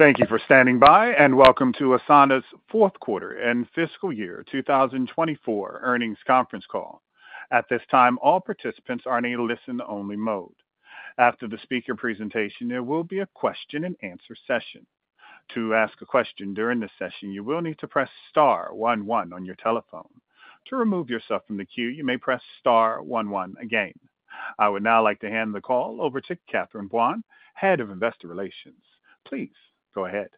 Thank you for standing by, and welcome to Asana's fourth quarter and fiscal year 2024 earnings conference call. At this time, all participants are in a listen-only mode. After the speaker presentation, there will be a question-and-answer session. To ask a question during this session, you will need to press star one one on your telephone. To remove yourself from the queue, you may press star one one again. I would now like to hand the call over to Catherine Buan, Head of Investor Relations. Please go ahead.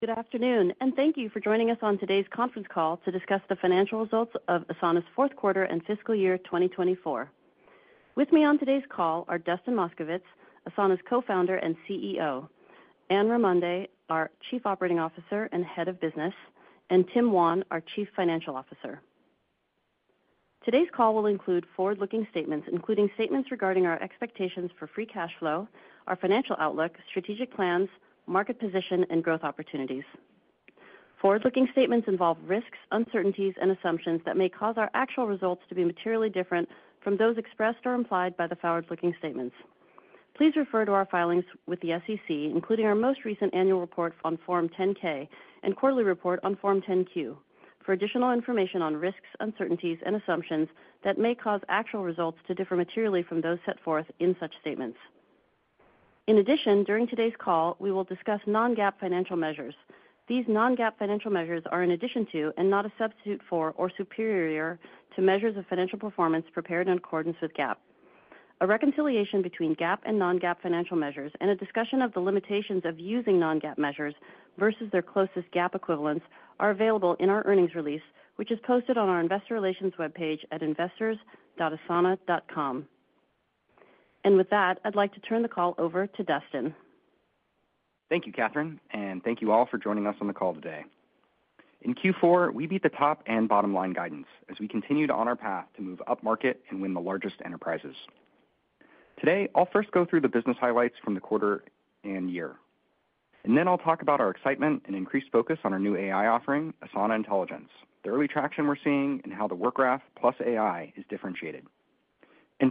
Good afternoon, and thank you for joining us on today's conference call to discuss the financial results of Asana's fourth quarter and fiscal year 2024. With me on today's call are Dustin Moskovitz, Asana's co-founder and CEO, Anne Raimondi, our Chief Operating Officer and Head of Business, and Tim Wan, our Chief Financial Officer. Today's call will include forward-looking statements, including statements regarding our expectations for free cash flow, our financial outlook, strategic plans, market position, and growth opportunities. Forward-looking statements involve risks, uncertainties, and assumptions that may cause our actual results to be materially different from those expressed or implied by the forward-looking statements. Please refer to our filings with the SEC, including our most recent annual report on Form 10-K and quarterly report on Form 10-Q, for additional information on risks, uncertainties, and assumptions that may cause actual results to differ materially from those set forth in such statements. In addition, during today's call, we will discuss non-GAAP financial measures. These non-GAAP financial measures are in addition to and not a substitute for or superior to measures of financial performance prepared in accordance with GAAP. A reconciliation between GAAP and non-GAAP financial measures and a discussion of the limitations of using non-GAAP measures versus their closest GAAP equivalents are available in our earnings release, which is posted on our Investor Relations webpage at investors.asana.com. With that, I'd like to turn the call over to Dustin. Thank you, Catherine, and thank you all for joining us on the call today. In Q4, we beat the top and bottom line guidance as we continue to on our path to move up market and win the largest enterprises. Today, I'll first go through the business highlights from the quarter and year, and then I'll talk about our excitement and increased focus on our new AI offering, Asana Intelligence, the early traction we're seeing and how the Work Graph plus AI is differentiated.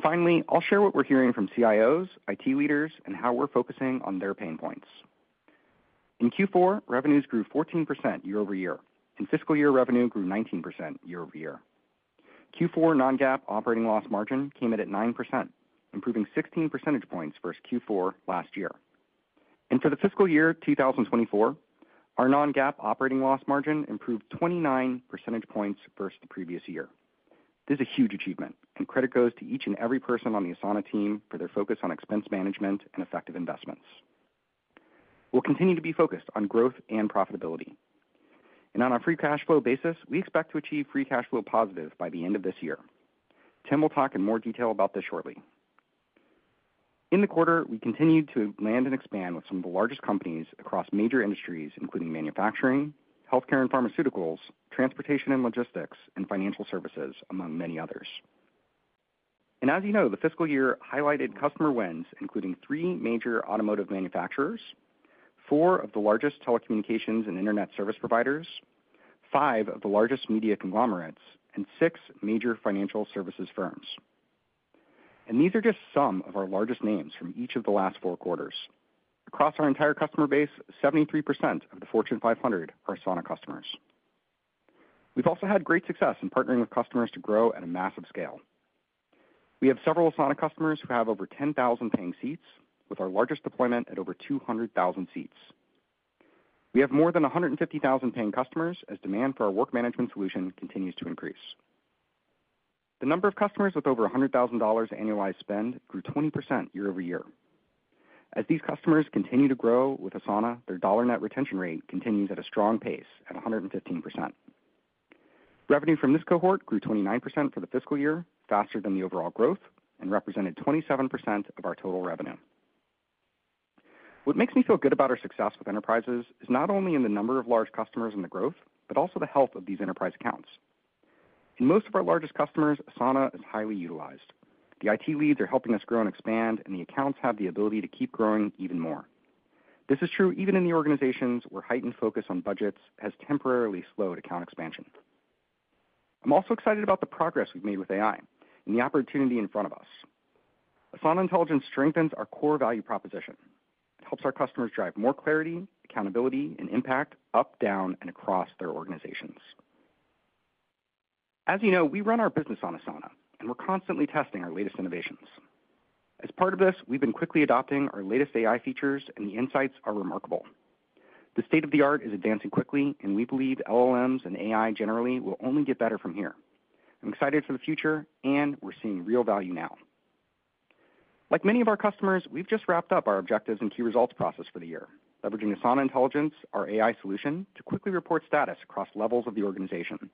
Finally, I'll share what we're hearing from CIOs, IT leaders, and how we're focusing on their pain points. In Q4, revenues grew 14% year-over-year, and fiscal year revenue grew 19% year-over-year. Q4 non-GAAP operating loss margin came in at 9%, improving 16 percentage points versus Q4 last year. For the fiscal year 2024, our non-GAAP operating loss margin improved 29 percentage points versus the previous year. This is a huge achievement, and credit goes to each and every person on the Asana team for their focus on expense management and effective investments. We'll continue to be focused on growth and profitability. On a free cash flow basis, we expect to achieve free cash flow positive by the end of this year. Tim will talk in more detail about this shortly. In the quarter, we continued to land and expand with some of the largest companies across major industries, including manufacturing, healthcare and pharmaceuticals, transportation and logistics, and financial services, among many others. As you know, the fiscal year highlighted customer wins, including three major automotive manufacturers, four of the largest telecommunications and internet service providers, five of the largest media conglomerates, and six major financial services firms. These are just some of our largest names from each of the last four quarters. Across our entire customer base, 73% of the Fortune 500 are Asana customers. We've also had great success in partnering with customers to grow at a massive scale. We have several Asana customers who have over 10,000 paying seats, with our largest deployment at over 200,000 seats. We have more than 150,000 paying customers as demand for our work management solution continues to increase. The number of customers with over $100,000 annualized spend grew 20% year-over-year. As these customers continue to grow with Asana, their dollar net retention rate continues at a strong pace at 115%. Revenue from this cohort grew 29% for the fiscal year, faster than the overall growth, and represented 27% of our total revenue. What makes me feel good about our success with enterprises is not only in the number of large customers and the growth, but also the health of these enterprise accounts. In most of our largest customers, Asana is highly utilized. The IT leads are helping us grow and expand, and the accounts have the ability to keep growing even more. This is true even in the organizations where heightened focus on budgets has temporarily slowed account expansion. I'm also excited about the progress we've made with AI and the opportunity in front of us. Asana Intelligence strengthens our core value proposition. It helps our customers drive more clarity, accountability, and impact up, down, and across their organizations. As you know, we run our business on Asana, and we're constantly testing our latest innovations. As part of this, we've been quickly adopting our latest AI features, and the insights are remarkable. The state of the art is advancing quickly, and we believe LLMs and AI generally will only get better from here. I'm excited for the future, and we're seeing real value now. Like many of our customers, we've just wrapped up our objectives and key results process for the year, leveraging Asana Intelligence, our AI solution, to quickly report status across levels of the organization.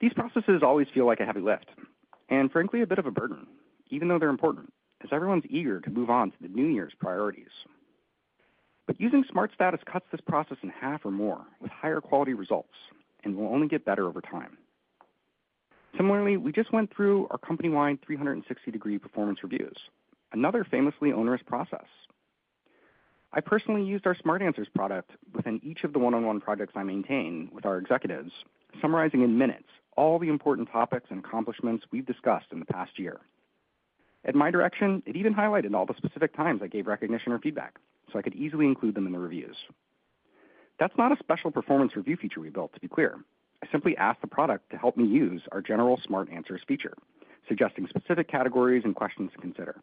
These processes always feel like a heavy lift and, frankly, a bit of a burden, even though they're important, as everyone's eager to move on to the New Year's priorities. But using Smart Status cuts this process in half or more with higher quality results and will only get better over time. Similarly, we just went through our company-wide 360-degree performance reviews, another famously onerous process. I personally used our Smart Answers product within each of the one-on-one projects I maintain with our executives, summarizing in minutes all the important topics and accomplishments we've discussed in the past year. At my direction, it even highlighted all the specific times I gave recognition or feedback, so I could easily include them in the reviews. That's not a special performance review feature we built, to be clear. I simply asked the product to help me use our general Smart Answers feature, suggesting specific categories and questions to consider.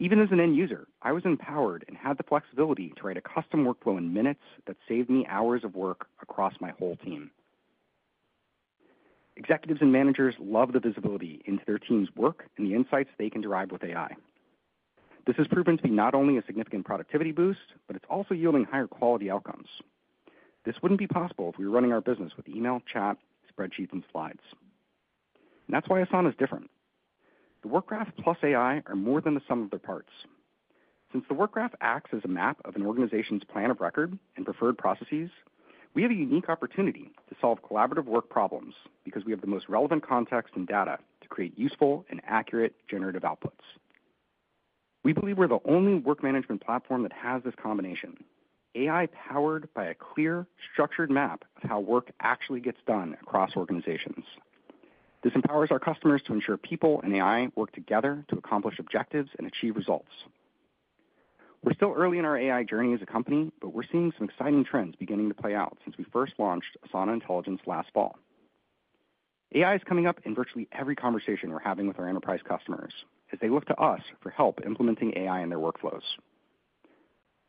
Even as an end user, I was empowered and had the flexibility to write a custom workflow in minutes that saved me hours of work across my whole team. Executives and managers love the visibility into their team's work and the insights they can derive with AI. This has proven to be not only a significant productivity boost, but it's also yielding higher quality outcomes. This wouldn't be possible if we were running our business with email, chat, spreadsheets, and slides. That's why Asana is different. The work graph plus AI are more than the sum of their parts. Since the work graph acts as a map of an organization's plan of record and preferred processes, we have a unique opportunity to solve collaborative work problems because we have the most relevant context and data to create useful and accurate generative outputs. We believe we're the only work management platform that has this combination: AI powered by a clear, structured map of how work actually gets done across organizations. This empowers our customers to ensure people and AI work together to accomplish objectives and achieve results. We're still early in our AI journey as a company, but we're seeing some exciting trends beginning to play out since we first launched Asana Intelligence last fall. AI is coming up in virtually every conversation we're having with our enterprise customers as they look to us for help implementing AI in their workflows.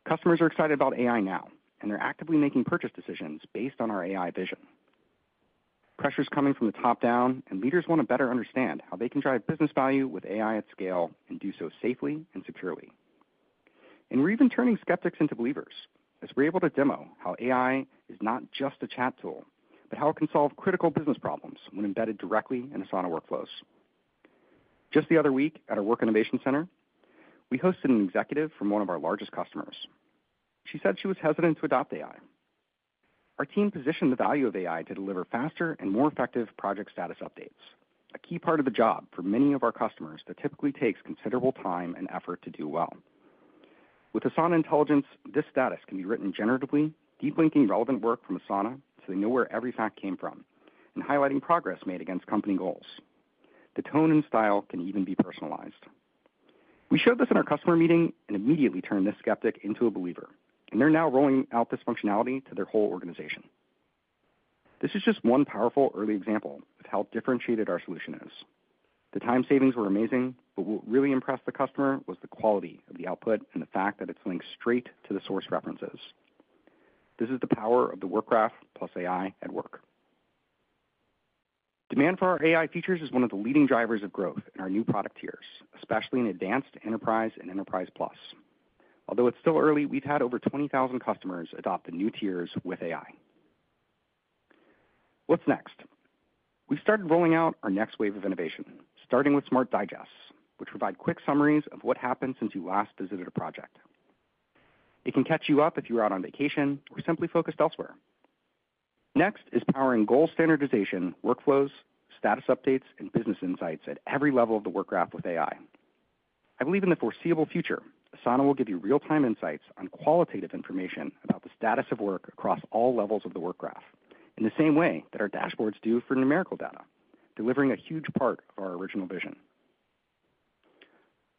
Customers are excited about AI now, and they're actively making purchase decisions based on our AI vision. Pressure is coming from the top down, and leaders want to better understand how they can drive business value with AI at scale and do so safely and securely. We're even turning skeptics into believers as we're able to demo how AI is not just a chat tool, but how it can solve critical business problems when embedded directly in Asana workflows. Just the other week, at our work innovation center, we hosted an executive from one of our largest customers. She said she was hesitant to adopt AI. Our team positioned the value of AI to deliver faster and more effective project status updates, a key part of the job for many of our customers that typically takes considerable time and effort to do well. With Asana Intelligence, this status can be written generatively, deep-linking relevant work from Asana so they know where every fact came from, and highlighting progress made against company goals. The tone and style can even be personalized. We showed this in our customer meeting and immediately turned this skeptic into a believer, and they're now rolling out this functionality to their whole organization. This is just one powerful early example of how differentiated our solution is. The time savings were amazing, but what really impressed the customer was the quality of the output and the fact that it's linked straight to the source references. This is the power of the Work Graph plus AI at work. Demand for our AI features is one of the leading drivers of growth in our new product tiers, especially in Advanced, Enterprise, and Enterprise Plus. Although it's still early, we've had over 20,000 customers adopt the new tiers with AI. What's next? We've started rolling out our next wave of innovation, starting with Smart Digests, which provide quick summaries of what happened since you last visited a project. It can catch you up if you're out on vacation or simply focused elsewhere. Next is powering goal standardization, workflows, status updates, and business insights at every level of the Work Graph with AI. I believe in the foreseeable future, Asana will give you real-time insights on qualitative information about the status of work across all levels of the Work Graph in the same way that our dashboards do for numerical data, delivering a huge part of our original vision.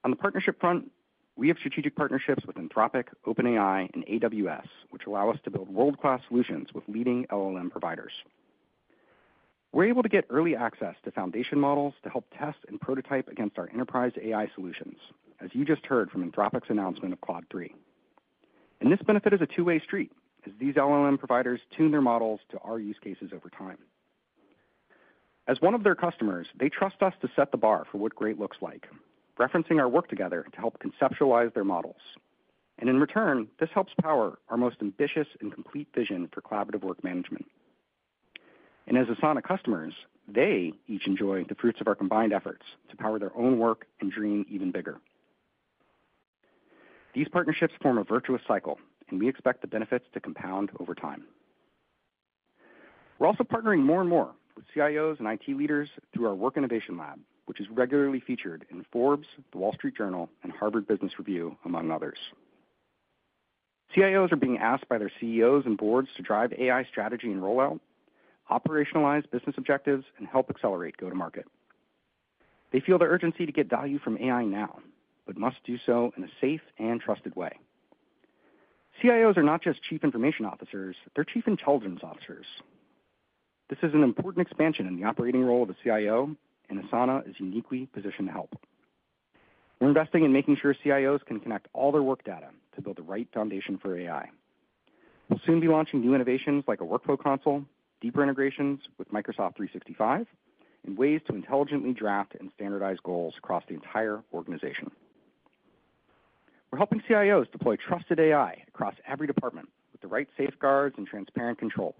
On the partnership front, we have strategic partnerships with Anthropic, OpenAI, and AWS, which allow us to build world-class solutions with leading LLM providers. We're able to get early access to foundation models to help test and prototype against our enterprise AI solutions, as you just heard from Anthropic's announcement of Claude 3. This benefit is a two-way street as these LLM providers tune their models to our use cases over time. As one of their customers, they trust us to set the bar for what great looks like, referencing our work together to help conceptualize their models. In return, this helps power our most ambitious and complete vision for collaborative work management. And as Asana customers, they each enjoy the fruits of our combined efforts to power their own work and dream even bigger. These partnerships form a virtuous cycle, and we expect the benefits to compound over time. We're also partnering more and more with CIOs and IT leaders through our Work Innovation Lab, which is regularly featured in Forbes, The Wall Street Journal, and Harvard Business Review, among others. CIOs are being asked by their CEOs and boards to drive AI strategy and rollout, operationalize business objectives, and help accelerate go-to-market. They feel the urgency to get value from AI now, but must do so in a safe and trusted way. CIOs are not just chief information officers. They're chief intelligence officers. This is an important expansion in the operating role of a CIO, and Asana is uniquely positioned to help. We're investing in making sure CIOs can connect all their work data to build the right foundation for AI. We'll soon be launching new innovations like a workflow console, deeper integrations with Microsoft 365, and ways to intelligently draft and standardize goals across the entire organization. We're helping CIOs deploy trusted AI across every department with the right safeguards and transparent controls,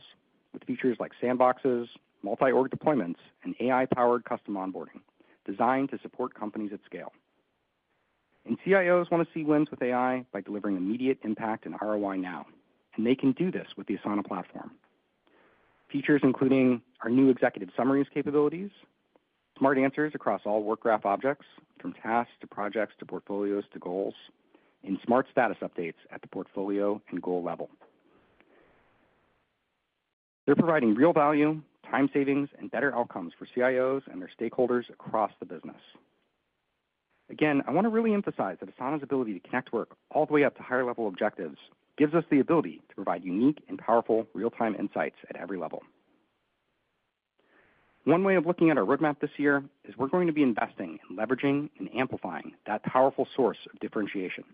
with features like sandboxes, multi-org deployments, and AI-powered custom onboarding designed to support companies at scale. CIOs want to see wins with AI by delivering immediate impact and ROI now, and they can do this with the Asana platform. Features including our new executive summaries capabilities, Smart Answers across all Work Graph objects, from tasks to projects to portfolios to goals, and Smart Status Updates at the portfolio and goal level. They're providing real value, time savings, and better outcomes for CIOs and their stakeholders across the business. Again, I want to really emphasize that Asana's ability to connect work all the way up to higher-level objectives gives us the ability to provide unique and powerful real-time insights at every level. One way of looking at our roadmap this year is we're going to be investing in leveraging and amplifying that powerful source of differentiation.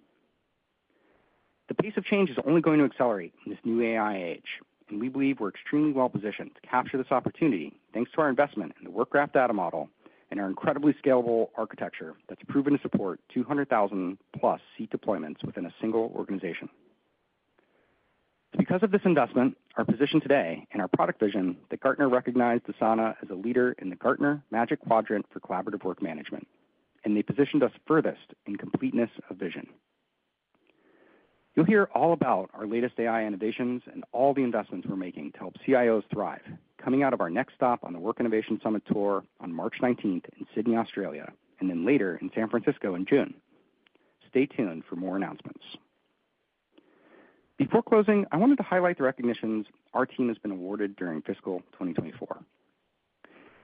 The pace of change is only going to accelerate in this new AI age, and we believe we're extremely well-positioned to capture this opportunity thanks to our investment in the Work Graph data model and our incredibly scalable architecture that's proven to support 200,000+ seat deployments within a single organization. It's because of this investment, our position today, and our product vision that Gartner recognized Asana as a leader in the Gartner Magic Quadrant for Collaborative Work Management, and they positioned us furthest in completeness of vision. You'll hear all about our latest AI innovations and all the investments we're making to help CIOs thrive, coming out of our next stop on the Work Innovation Summit Tour on March 19 in Sydney, Australia, and then later in San Francisco in June. Stay tuned for more announcements. Before closing, I wanted to highlight the recognitions our team has been awarded during fiscal 2024.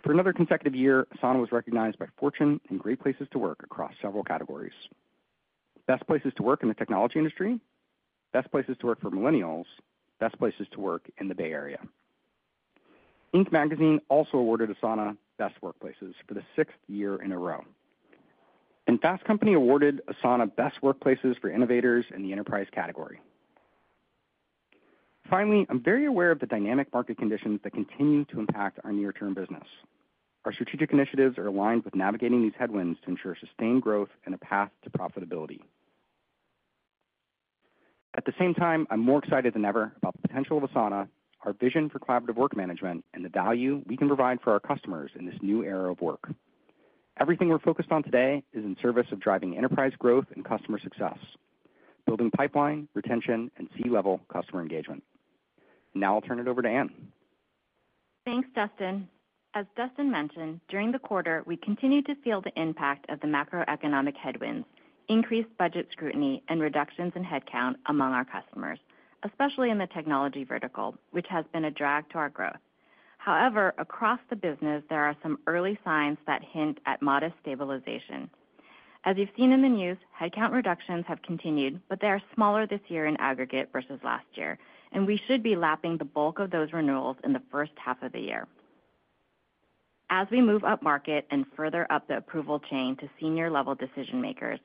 For another consecutive year, Asana was recognized by Fortune in Great Places to Work across several categories: Best Places to Work in the Technology Industry, Best Places to Work for Millennials, Best Places to Work in the Bay Area. Inc. Magazine also awarded Asana Best Workplaces for the sixth year in a row, and Fast Company awarded Asana Best Workplaces for Innovators in the Enterprise category. Finally, I'm very aware of the dynamic market conditions that continue to impact our near-term business. Our strategic initiatives are aligned with navigating these headwinds to ensure sustained growth and a path to profitability. At the same time, I'm more excited than ever about the potential of Asana, our vision for collaborative work management, and the value we can provide for our customers in this new era of work. Everything we're focused on today is in service of driving enterprise growth and customer success, building pipeline, retention, and C-level customer engagement. Now I'll turn it over to Anne. Thanks, Dustin. As Dustin mentioned, during the quarter, we continued to feel the impact of the macroeconomic headwinds, increased budget scrutiny, and reductions in headcount among our customers, especially in the technology vertical, which has been a drag to our growth. However, across the business, there are some early signs that hint at modest stabilization. As you've seen in the news, headcount reductions have continued, but they are smaller this year in aggregate versus last year, and we should be lapping the bulk of those renewals in the first half of the year. As we move up market and further up the approval chain to senior-level decision-makers,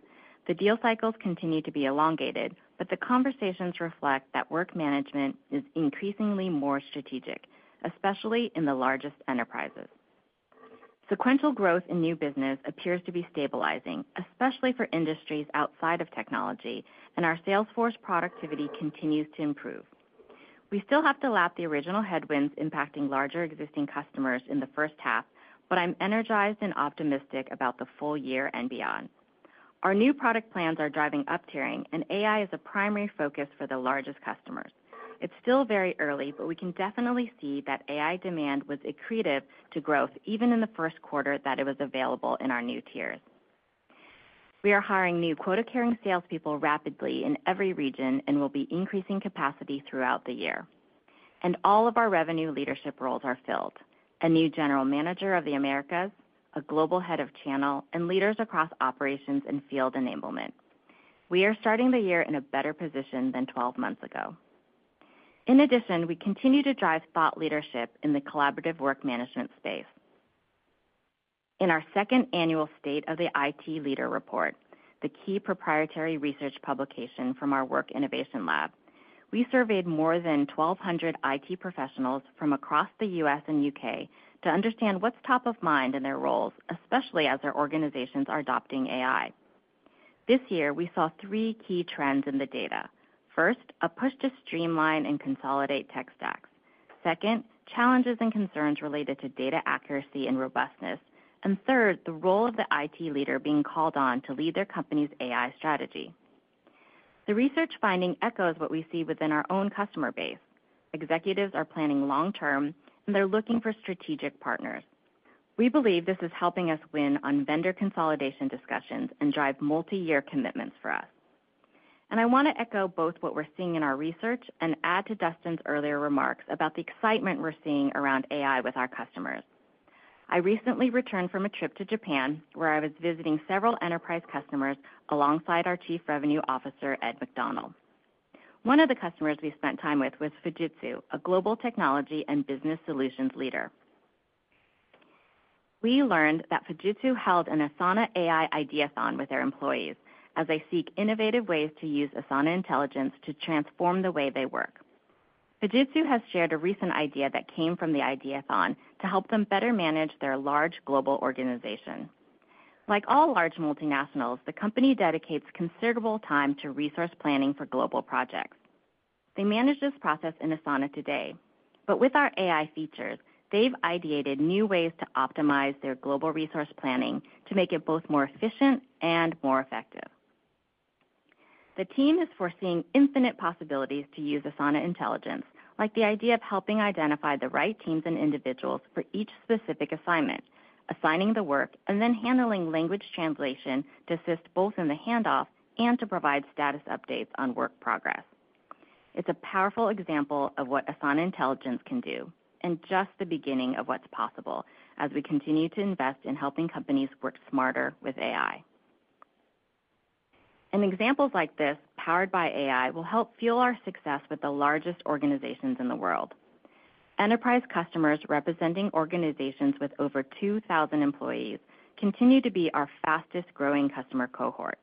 the deal cycles continue to be elongated, but the conversations reflect that work management is increasingly more strategic, especially in the largest enterprises. Sequential growth in new business appears to be stabilizing, especially for industries outside of technology, and our Salesforce productivity continues to improve. We still have to lap the original headwinds impacting larger existing customers in the first half, but I'm energized and optimistic about the full year and beyond. Our new product plans are driving up-tiering, and AI is a primary focus for the largest customers. It's still very early, but we can definitely see that AI demand was accretive to growth even in the first quarter that it was available in our new tiers. We are hiring new quota-carrying salespeople rapidly in every region and will be increasing capacity throughout the year. And all of our revenue leadership roles are filled: a new general manager of the Americas, a global head of channel, and leaders across operations and field enablement. We are starting the year in a better position than 12 months ago. In addition, we continue to drive thought leadership in the collaborative work management space. In our second annual State of the IT Leader Report, the key proprietary research publication from our Work Innovation Lab, we surveyed more than 1,200 IT professionals from across the U.S. and U.K. to understand what's top of mind in their roles, especially as their organizations are adopting AI. This year, we saw three key trends in the data: first, a push to streamline and consolidate tech stacks, second, challenges and concerns related to data accuracy and robustness, and third, the role of the IT leader being called on to lead their company's AI strategy. The research finding echoes what we see within our own customer base. Executives are planning long-term, and they're looking for strategic partners. We believe this is helping us win on vendor consolidation discussions and drive multi-year commitments for us. I want to echo both what we're seeing in our research and add to Dustin's earlier remarks about the excitement we're seeing around AI with our customers. I recently returned from a trip to Japan, where I was visiting several enterprise customers alongside our Chief Revenue Officer, Ed McDonnell. One of the customers we spent time with was Fujitsu, a global technology and business solutions leader. We learned that Fujitsu held an Asana AI Ideathon with their employees as they seek innovative ways to use Asana Intelligence to transform the way they work. Fujitsu has shared a recent idea that came from the Ideathon to help them better manage their large global organization. Like all large multinationals, the company dedicates considerable time to resource planning for global projects. They manage this process in Asana today, but with our AI features, they've ideated new ways to optimize their global resource planning to make it both more efficient and more effective. The team is foreseeing infinite possibilities to use Asana Intelligence, like the idea of helping identify the right teams and individuals for each specific assignment, assigning the work, and then handling language translation to assist both in the handoff and to provide status updates on work progress. It's a powerful example of what Asana Intelligence can do and just the beginning of what's possible as we continue to invest in helping companies work smarter with AI. And examples like this, powered by AI, will help fuel our success with the largest organizations in the world. Enterprise customers representing organizations with over 2,000 employees continue to be our fastest-growing customer cohort,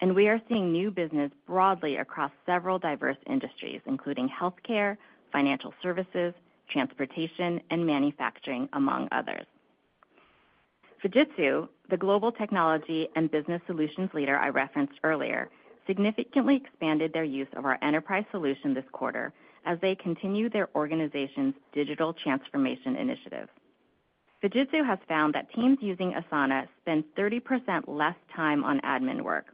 and we are seeing new business broadly across several diverse industries, including healthcare, financial services, transportation, and manufacturing, among others. Fujitsu, the global technology and business solutions leader I referenced earlier, significantly expanded their use of our enterprise solution this quarter as they continue their organization's digital transformation initiative. Fujitsu has found that teams using Asana spend 30% less time on admin work,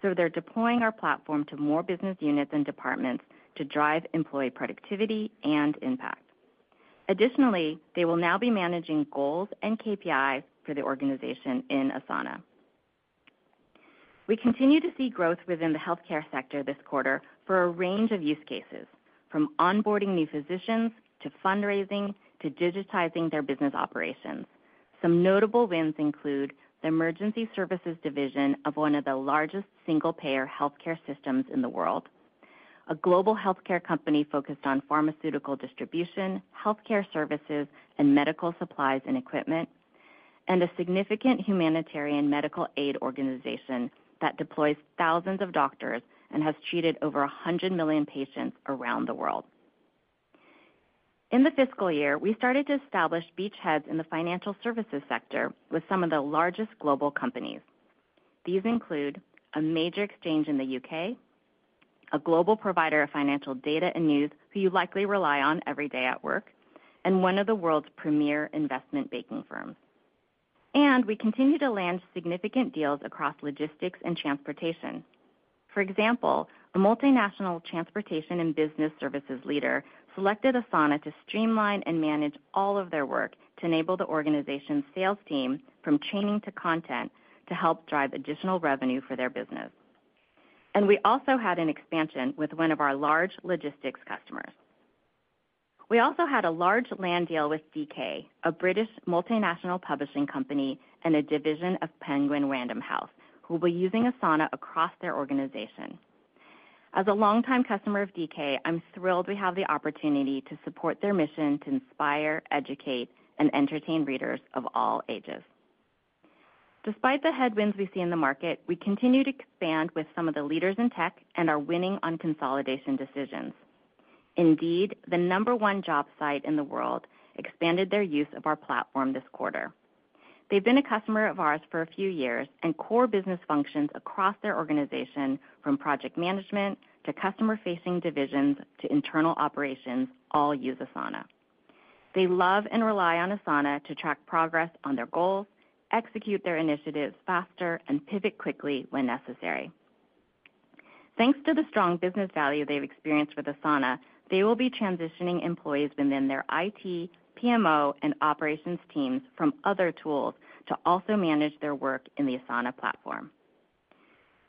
so they're deploying our platform to more business units and departments to drive employee productivity and impact. Additionally, they will now be managing goals and KPIs for the organization in Asana. We continue to see growth within the healthcare sector this quarter for a range of use cases, from onboarding new physicians to fundraising to digitizing their business operations. Some notable wins include the emergency services division of one of the largest single-payer healthcare systems in the world, a global healthcare company focused on pharmaceutical distribution, healthcare services, and medical supplies and equipment, and a significant humanitarian medical aid organization that deploys thousands of doctors and has treated over 100 million patients around the world. In the fiscal year, we started to establish beachheads in the financial services sector with some of the largest global companies. These include a major exchange in the U.K., a global provider of financial data and news who you likely rely on every day at work, and one of the world's premier investment banking firms. We continue to land significant deals across logistics and transportation. For example, a multinational transportation and business services leader selected Asana to streamline and manage all of their work to enable the organization's sales team, from training to content, to help drive additional revenue for their business. We also had an expansion with one of our large logistics customers. We also had a large land deal with DK, a British multinational publishing company and a division of Penguin Random House, who will be using Asana across their organization. As a longtime customer of DK, I'm thrilled we have the opportunity to support their mission to inspire, educate, and entertain readers of all ages. Despite the headwinds we see in the market, we continue to expand with some of the leaders in tech and are winning on consolidation decisions. Indeed, the number one job site in the world expanded their use of our platform this quarter. They've been a customer of ours for a few years, and core business functions across their organization, from project management to customer-facing divisions to internal operations, all use Asana. They love and rely on Asana to track progress on their goals, execute their initiatives faster, and pivot quickly when necessary. Thanks to the strong business value they've experienced with Asana, they will be transitioning employees within their IT, PMO, and operations teams from other tools to also manage their work in the Asana platform.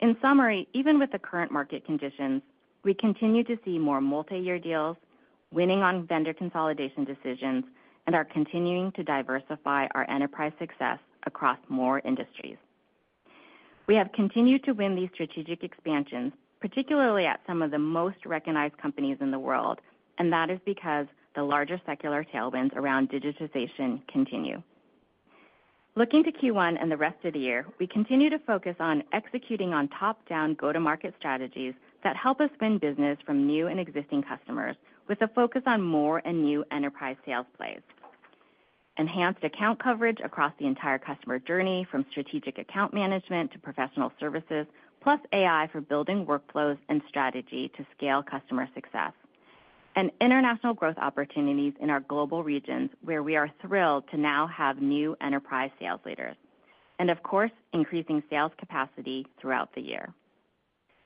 In summary, even with the current market conditions, we continue to see more multi-year deals, winning on vendor consolidation decisions, and are continuing to diversify our enterprise success across more industries. We have continued to win these strategic expansions, particularly at some of the most recognized companies in the world, and that is because the larger secular tailwinds around digitization continue. Looking to Q1 and the rest of the year, we continue to focus on executing on top-down go-to-market strategies that help us win business from new and existing customers, with a focus on more and new enterprise sales plays, enhanced account coverage across the entire customer journey, from strategic account management to professional services, plus AI for building workflows and strategy to scale customer success, and international growth opportunities in our global regions, where we are thrilled to now have new enterprise sales leaders, and of course, increasing sales capacity throughout the year.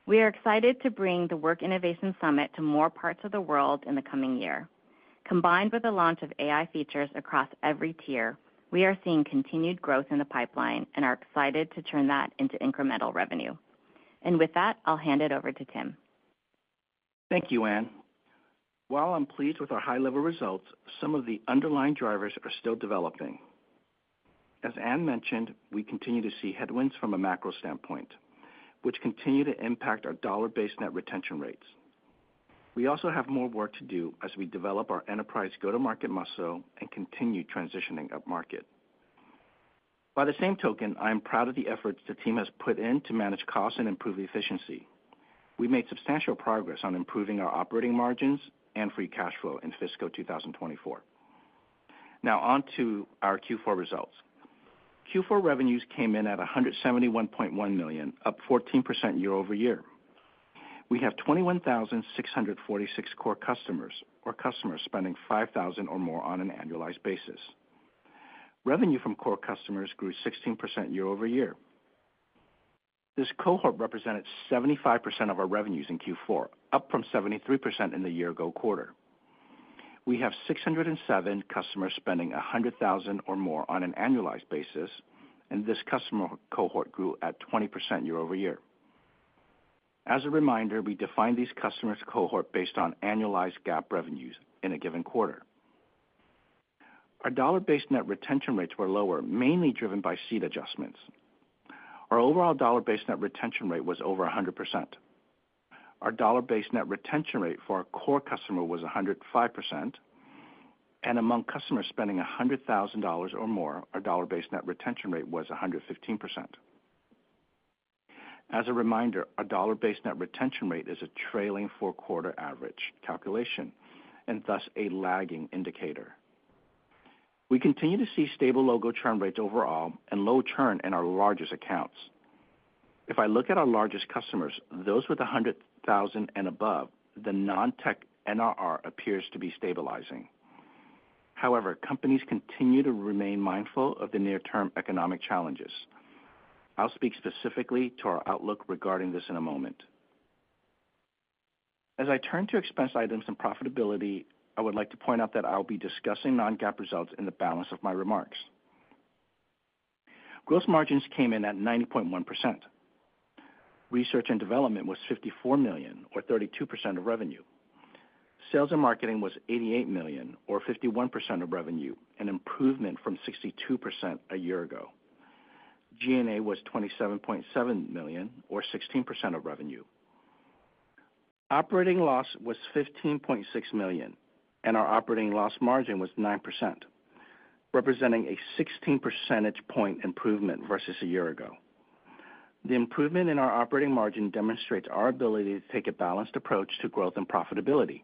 We are excited to bring the Work Innovation Summit to more parts of the world in the coming year. Combined with the launch of AI features across every tier, we are seeing continued growth in the pipeline and are excited to turn that into incremental revenue. With that, I'll hand it over to Tim. Thank you, Anne. While I'm pleased with our high-level results, some of the underlying drivers are still developing. As Anne mentioned, we continue to see headwinds from a macro standpoint, which continue to impact our dollar-based net retention rates. We also have more work to do as we develop our enterprise go-to-market muscle and continue transitioning up market. By the same token, I am proud of the efforts the team has put in to manage costs and improve efficiency. We made substantial progress on improving our operating margins and free cash flow in fiscal 2024. Now, onto our Q4 results. Q4 revenues came in at $171.1 million, up 14% year-over-year. We have 21,646 core customers or customers spending 5,000 or more on an annualized basis. Revenue from core customers grew 16% year-over-year. This cohort represented 75% of our revenues in Q4, up from 73% in the year-ago quarter. We have 607 customers spending $100,000 or more on an annualized basis, and this customer cohort grew at 20% year-over-year. As a reminder, we define these customers' cohort based on annualized GAAP revenues in a given quarter. Our dollar-based net retention rates were lower, mainly driven by seat adjustments. Our overall dollar-based net retention rate was over 100%. Our dollar-based net retention rate for our core customer was 105%, and among customers spending $100,000 or more, our dollar-based net retention rate was 115%. As a reminder, our dollar-based net retention rate is a trailing four-quarter average calculation and thus a lagging indicator. We continue to see stable low-growth churn rates overall and low churn in our largest accounts. If I look at our largest customers, those with 100,000 and above, the non-tech NRR appears to be stabilizing. However, companies continue to remain mindful of the near-term economic challenges. I'll speak specifically to our outlook regarding this in a moment. As I turn to expense items and profitability, I would like to point out that I'll be discussing non-GAAP results in the balance of my remarks. Gross margins came in at 90.1%. Research and development was $54 million, or 32% of revenue. Sales and marketing was $88 million, or 51% of revenue, an improvement from 62% a year ago. G&A was $27.7 million, or 16% of revenue. Operating loss was $15.6 million, and our operating loss margin was 9%, representing a 16 percentage point improvement versus a year ago. The improvement in our operating margin demonstrates our ability to take a balanced approach to growth and profitability.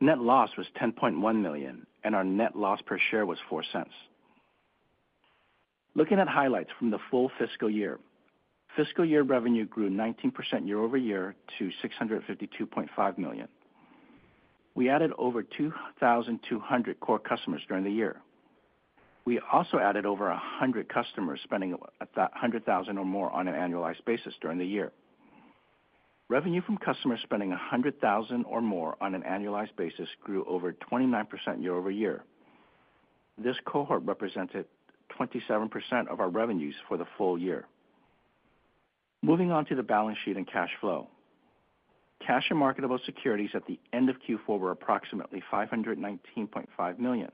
Net loss was $10.1 million, and our net loss per share was $0.04. Looking at highlights from the full fiscal year, fiscal year revenue grew 19% year-over-year to $652.5 million. We added over 2,200 core customers during the year. We also added over 100 customers spending $100,000 or more on an annualized basis during the year. Revenue from customers spending $100,000 or more on an annualized basis grew over 29% year-over-year. This cohort represented 27% of our revenues for the full year. Moving on to the balance sheet and cash flow. Cash and marketable securities at the end of Q4 were approximately $519.5 million.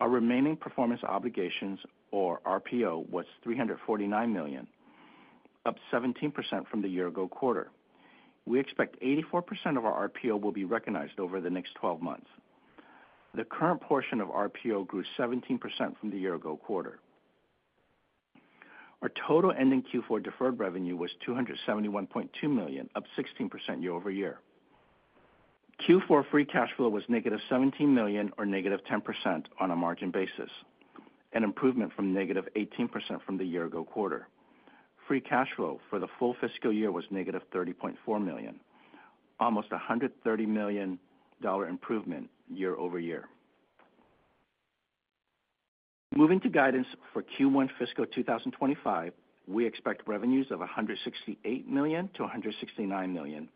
Our remaining performance obligations, or RPO, was $349 million, up 17% from the year-ago quarter. We expect 84% of our RPO will be recognized over the next 12 months. The current portion of RPO grew 17% from the year-ago quarter. Our total ending Q4 deferred revenue was $271.2 million, up 16% year-over-year. Q4 free cash flow was -$17 million, or -10%, on a margin basis, an improvement from negative 18% from the year-ago quarter. Free cash flow for the full fiscal year was -$30.4 million, almost $130 million improvement year-over-year. Moving to guidance for Q1 fiscal 2025, we expect revenues of $168 million-$169 million,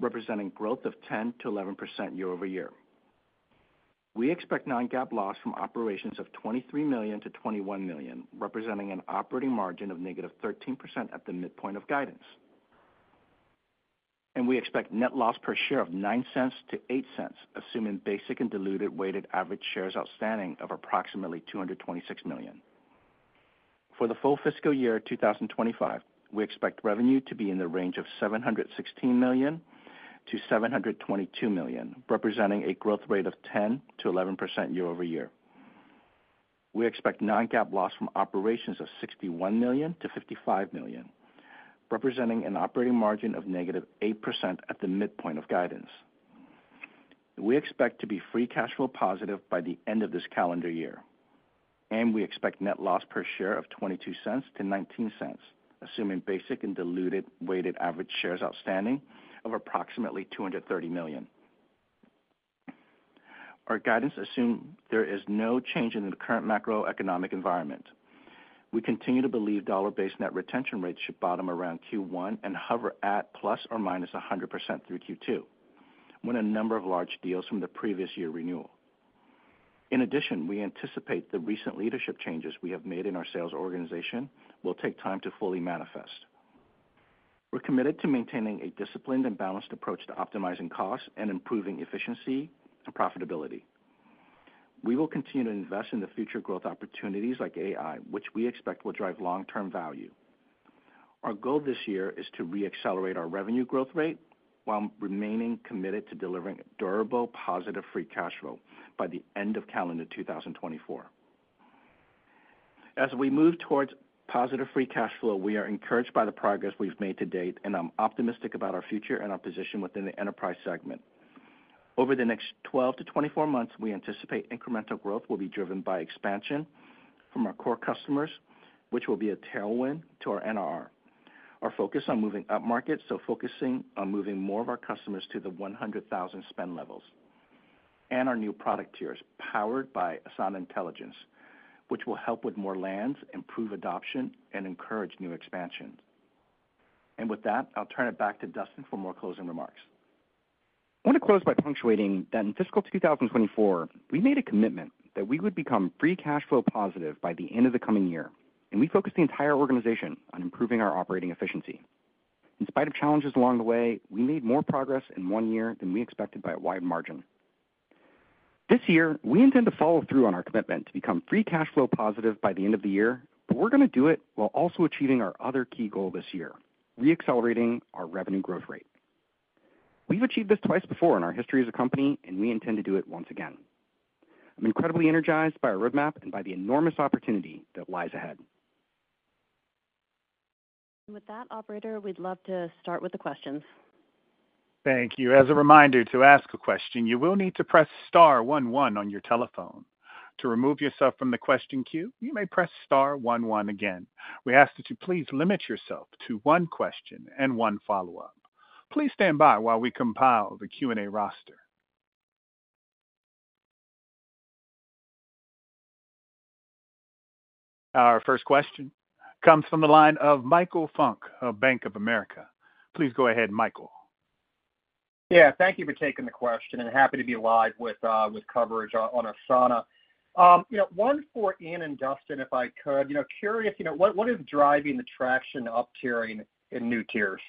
representing growth of 10%-11% year-over-year. We expect non-GAAP loss from operations of $23 million-$21 million, representing an operating margin of negative 13% at the midpoint of guidance. We expect net loss per share of $0.09-$0.08, assuming basic and diluted weighted average shares outstanding of approximately 226 million. For the full fiscal year 2025, we expect revenue to be in the range of $716 million-$722 million, representing a growth rate of 10%-11% year-over-year. We expect non-GAAP loss from operations of $61 million-$55 million, representing an operating margin of -8% at the midpoint of guidance. We expect to be free cash flow positive by the end of this calendar year, and we expect net loss per share of $0.22-$0.19, assuming basic and diluted weighted average shares outstanding of approximately 230 million. Our guidance assumes there is no change in the current macroeconomic environment. We continue to believe dollar-based net retention rates should bottom around Q1 and hover at ±100% through Q2, win a number of large deals from the previous year renewal. In addition, we anticipate the recent leadership changes we have made in our sales organization will take time to fully manifest. We're committed to maintaining a disciplined and balanced approach to optimizing costs and improving efficiency and profitability. We will continue to invest in the future growth opportunities like AI, which we expect will drive long-term value. Our goal this year is to reaccelerate our revenue growth rate while remaining committed to delivering durable, positive free cash flow by the end of calendar 2024. As we move towards positive free cash flow, we are encouraged by the progress we've made to date, and I'm optimistic about our future and our position within the enterprise segment. Over the next 12-24 months, we anticipate incremental growth will be driven by expansion from our core customers, which will be a tailwind to our NRR. Our focus on moving up markets, so focusing on moving more of our customers to the 100,000 spend levels, and our new product tiers powered by Asana Intelligence, which will help with more lands, improve adoption, and encourage new expansions. And with that, I'll turn it back to Dustin for more closing remarks. I want to close by punctuating that in fiscal 2024, we made a commitment that we would become free cash flow positive by the end of the coming year, and we focused the entire organization on improving our operating efficiency. In spite of challenges along the way, we made more progress in one year than we expected by a wide margin. This year, we intend to follow through on our commitment to become free cash flow positive by the end of the year, but we're going to do it while also achieving our other key goal this year, reaccelerating our revenue growth rate. We've achieved this twice before in our history as a company, and we intend to do it once again. I'm incredibly energized by our roadmap and by the enormous opportunity that lies ahead. With that, operator, we'd love to start with the questions. Thank you. As a reminder, to ask a question, you will need to press star one one on your telephone. To remove yourself from the question queue, you may press star one one again. We ask that you please limit yourself to one question and one follow-up. Please stand by while we compile the Q&A roster. Our first question comes from the line of Michael Funk of Bank of America. Please go ahead, Michael. Yeah, thank you for taking the question, and happy to be live with coverage on Asana. One for Anne and Dustin, if I could. Curious, what is driving the traction up-tiering in new tiers?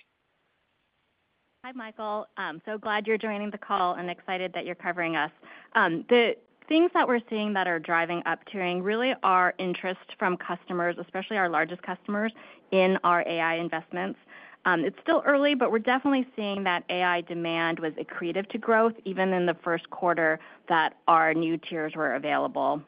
Hi, Michael. So glad you're joining the call and excited that you're covering us. The things that we're seeing that are driving up-tiering really are interest from customers, especially our largest customers, in our AI investments. It's still early, but we're definitely seeing that AI demand was accretive to growth even in the first quarter that our new tiers were available.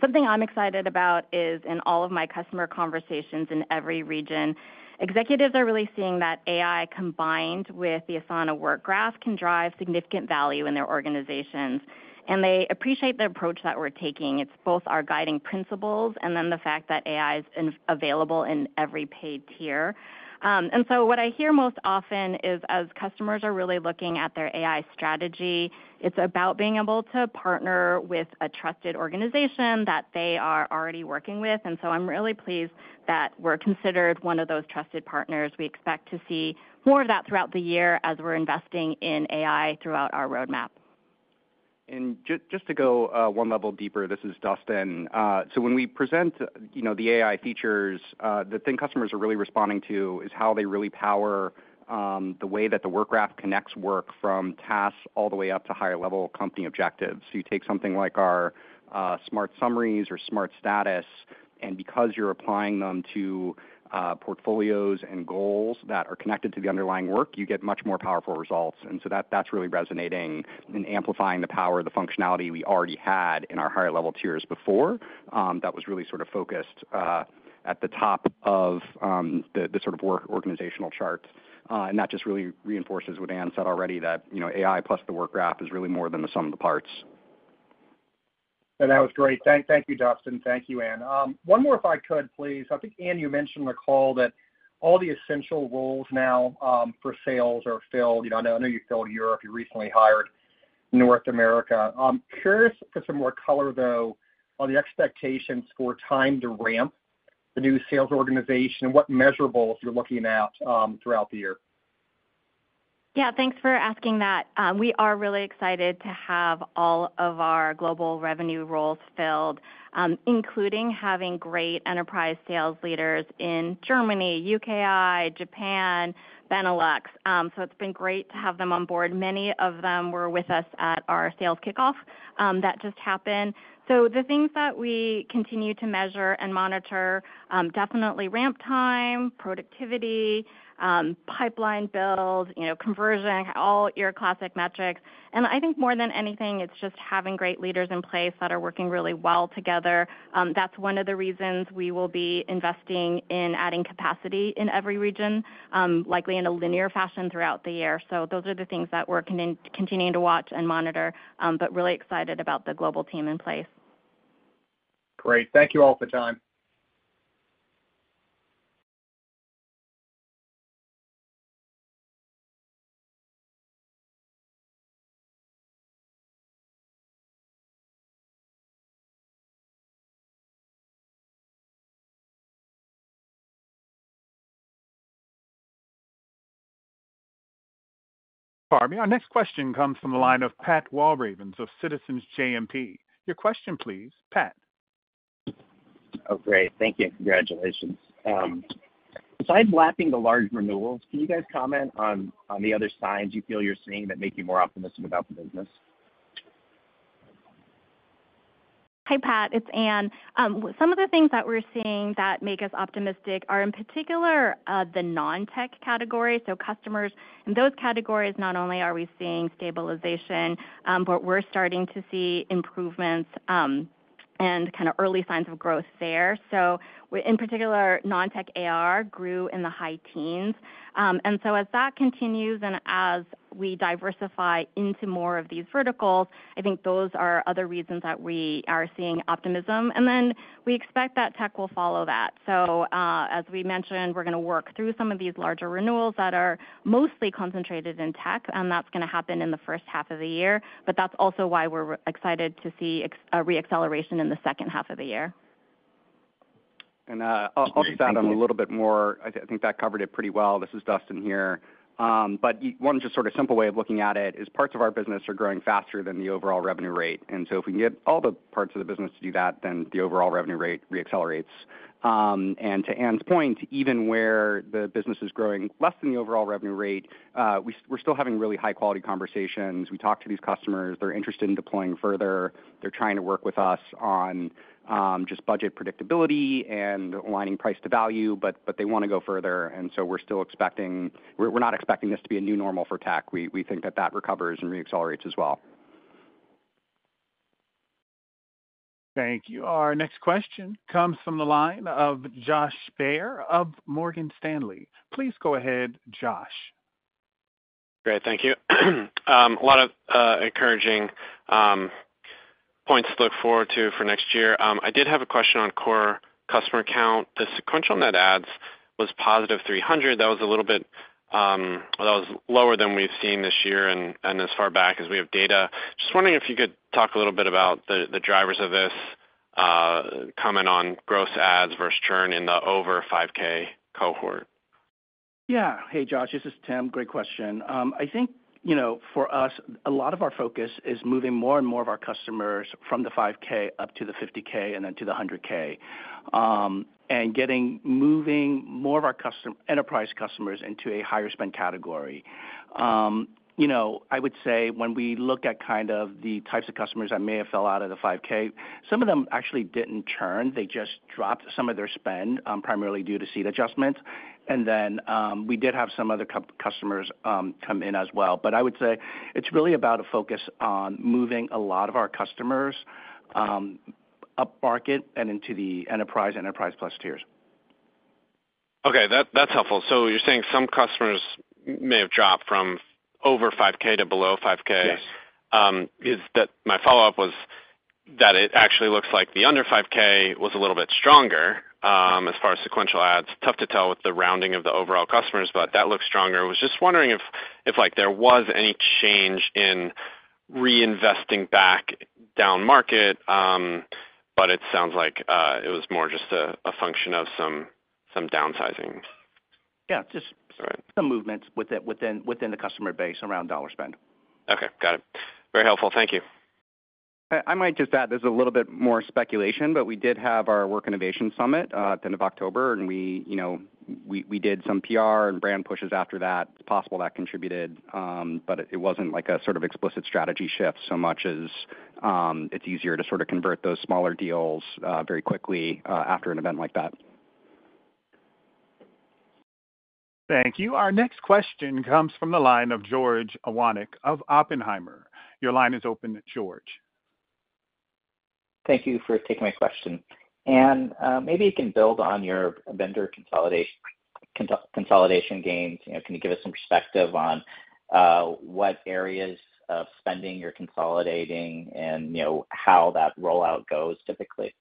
Something I'm excited about is in all of my customer conversations in every region, executives are really seeing that AI combined with the Asana Work Graph can drive significant value in their organizations, and they appreciate the approach that we're taking. It's both our guiding principles and then the fact that AI is available in every paid tier. And so what I hear most often is as customers are really looking at their AI strategy, it's about being able to partner with a trusted organization that they are already working with. And so I'm really pleased that we're considered one of those trusted partners. We expect to see more of that throughout the year as we're investing in AI throughout our roadmap. Just to go one level deeper, this is Dustin. So when we present the AI features, the thing customers are really responding to is how they really power the way that the Work Graph connects work from tasks all the way up to higher-level company objectives. So you take something like our Smart Digests or Smart Status, and because you're applying them to portfolios and goals that are connected to the underlying work, you get much more powerful results. And so that's really resonating and amplifying the power of the functionality we already had in our higher-level tiers before that was really sort of focused at the top of the sort of work organizational chart. And that just really reinforces what Anne said already, that AI plus the Work Graph is really more than the sum of the parts. And that was great. Thank you, Dustin. Thank you, Anne. One more, if I could, please. I think, Anne, you mentioned on the call that all the essential roles now for sales are filled. I know you filled Europe. You recently hired North America. Curious for some more color, though, on the expectations for time to ramp the new sales organization and what measurables you're looking at throughout the year. Yeah, thanks for asking that. We are really excited to have all of our global revenue roles filled, including having great enterprise sales leaders in Germany, UKI, Japan, Benelux. It's been great to have them on board. Many of them were with us at our sales kickoff that just happened. The things that we continue to measure and monitor definitely ramp time, productivity, pipeline builds, conversion, all your classic metrics. I think more than anything, it's just having great leaders in place that are working really well together. That's one of the reasons we will be investing in adding capacity in every region, likely in a linear fashion throughout the year. Those are the things that we're continuing to watch and monitor, but really excited about the global team in place. Great. Thank you all for your time. All right. Our next question comes from the line of Pat Walravens of Citizens JMP. Your question, please, Pat. Oh, great. Thank you. Congratulations. Aside from lapping the large renewals, can you guys comment on the other signs you feel you're seeing that make you more optimistic about the business? Hi, Pat. It's Anne. Some of the things that we're seeing that make us optimistic are, in particular, the non-tech category. So customers in those categories, not only are we seeing stabilization, but we're starting to see improvements and kind of early signs of growth there. So in particular, non-tech ARR grew in the high teens. And so as that continues and as we diversify into more of these verticals, I think those are other reasons that we are seeing optimism. And then we expect that tech will follow that. So as we mentioned, we're going to work through some of these larger renewals that are mostly concentrated in tech, and that's going to happen in the first half of the year. But that's also why we're excited to see a reacceleration in the second half of the year. I'll just add on a little bit more. I think that covered it pretty well. This is Dustin here. But one just sort of simple way of looking at it is parts of our business are growing faster than the overall revenue rate. And so if we can get all the parts of the business to do that, then the overall revenue rate reaccelerates. And to Anne's point, even where the business is growing less than the overall revenue rate, we're still having really high-quality conversations. We talk to these customers. They're interested in deploying further. They're trying to work with us on just budget predictability and aligning price to value, but they want to go further. And so we're still expecting, we're not expecting, this to be a new normal for tech. We think that that recovers and reaccelerates as well. Thank you. Our next question comes from the line of Josh Baer of Morgan Stanley. Please go ahead, Josh. Great. Thank you. A lot of encouraging points to look forward to for next year. I did have a question on core customer count. The sequential net adds was positive 300. That was a little bit that was lower than we've seen this year and as far back as we have data. Just wondering if you could talk a little bit about the drivers of this, comment on gross adds versus churn in the over $5,000 cohort. Yeah. Hey, Josh. This is Tim. Great question. I think for us, a lot of our focus is moving more and more of our customers from the $5,000 up to the $50,000 and then to the $100,000 and getting moving more of our enterprise customers into a higher-spend category. I would say when we look at kind of the types of customers that may have fell out of the $5,000, some of them actually didn't churn. They just dropped some of their spend primarily due to seat adjustments. And then we did have some other customers come in as well. But I would say it's really about a focus on moving a lot of our customers up market and into the Enterprise Plus tiers. Okay. That's helpful. So you're saying some customers may have dropped from over $5,000 to below $5,000. My follow-up was that it actually looks like the under $5,000 was a little bit stronger as far as sequential adds. Tough to tell with the rounding of the overall customers, but that looks stronger. I was just wondering if there was any change in reinvesting back down market, but it sounds like it was more just a function of some downsizing. Yeah. Just some movements within the customer base around dollar spend. Okay. Got it. Very helpful. Thank you. I might just add there's a little bit more speculation, but we did have our Work Innovation Summit at the end of October, and we did some PR and brand pushes after that. It's possible that contributed, but it wasn't a sort of explicit strategy shift so much as it's easier to sort of convert those smaller deals very quickly after an event like that. Thank you. Our next question comes from the line of George Iwanyc of Oppenheimer. Your line is open, George. Thank you for taking my question. Anne, maybe you can build on your vendor consolidation gains. Can you give us some perspective on what areas of spending you're consolidating and how that rollout goes typically?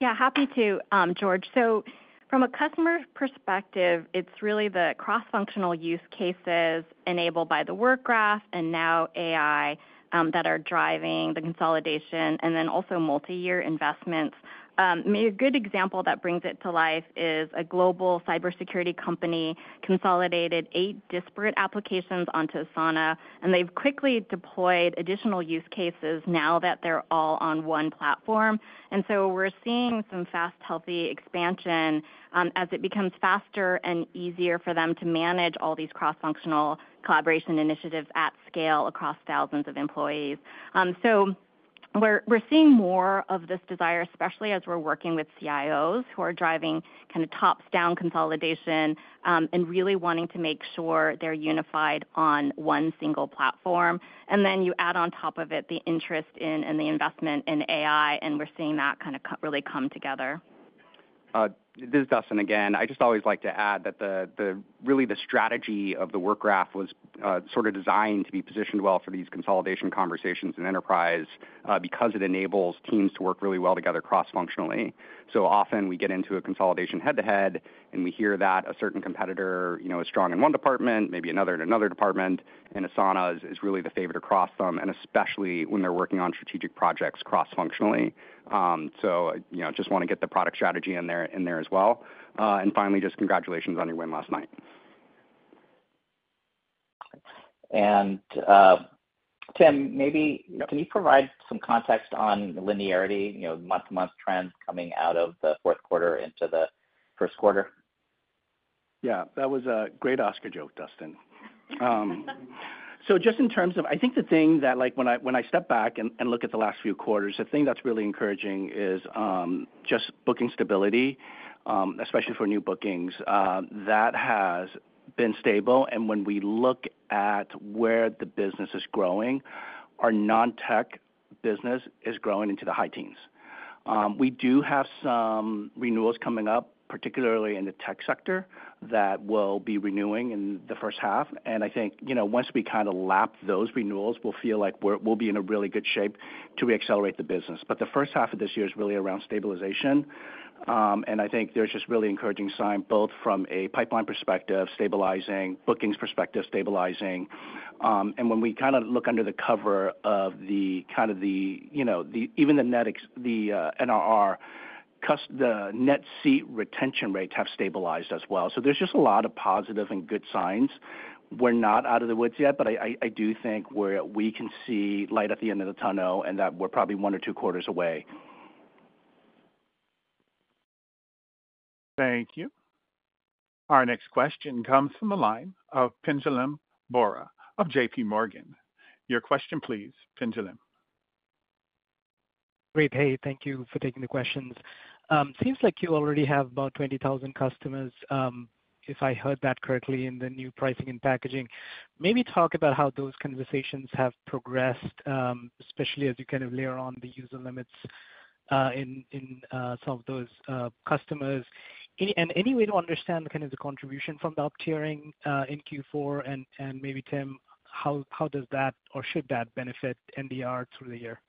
Yeah, happy to, George. So from a customer perspective, it's really the cross-functional use cases enabled by the Work Graph and now AI that are driving the consolidation and then also multi-year investments. Maybe a good example that brings it to life is a global cybersecurity company consolidated eight disparate applications onto Asana, and they've quickly deployed additional use cases now that they're all on one platform. And so we're seeing some fast, healthy expansion as it becomes faster and easier for them to manage all these cross-functional collaboration initiatives at scale across thousands of employees. So we're seeing more of this desire, especially as we're working with CIOs who are driving kind of tops-down consolidation and really wanting to make sure they're unified on one single platform. And then you add on top of it the interest in and the investment in AI, and we're seeing that kind of really come together. This is Dustin again. I just always like to add that really the strategy of the Work Graph was sort of designed to be positioned well for these consolidation conversations in enterprise because it enables teams to work really well together cross-functionally. So often we get into a consolidation head-to-head, and we hear that a certain competitor is strong in one department, maybe another in another department, and Asana is really the favorite across them, and especially when they're working on strategic projects cross-functionally. So I just want to get the product strategy in there as well. And finally, just congratulations on your win last night. Tim, maybe can you provide some context on linearity, month-to-month trends coming out of the fourth quarter into the first quarter? Yeah, that was a great Oscar joke, Dustin. So just in terms of I think the thing that when I step back and look at the last few quarters, the thing that's really encouraging is just booking stability, especially for new bookings. That has been stable. And when we look at where the business is growing, our non-tech business is growing into the high teens. We do have some renewals coming up, particularly in the tech sector, that will be renewing in the first half. And I think once we kind of lap those renewals, we'll feel like we'll be in a really good shape to reaccelerate the business. But the first half of this year is really around stabilization. And I think there's just really encouraging signs both from a pipeline perspective, stabilizing, bookings perspective, stabilizing. When we kind of look under the cover of kind of even the net NRR, the net seat retention rates have stabilized as well. There's just a lot of positive and good signs. We're not out of the woods yet, but I do think we can see light at the end of the tunnel and that we're probably one or two quarters away. Thank you. Our next question comes from the line of Pinjalim Bora of JPMorgan. Your question, please, Pinjalim. Great. Hey, thank you for taking the questions. Seems like you already have about 20,000 customers, if I heard that correctly in the new pricing and packaging. Maybe talk about how those conversations have progressed, especially as you kind of layer on the user limits in some of those customers. And any way to understand kind of the contribution from the up-tiering in Q4? And maybe, Tim, how does that or should that benefit NDR through the year?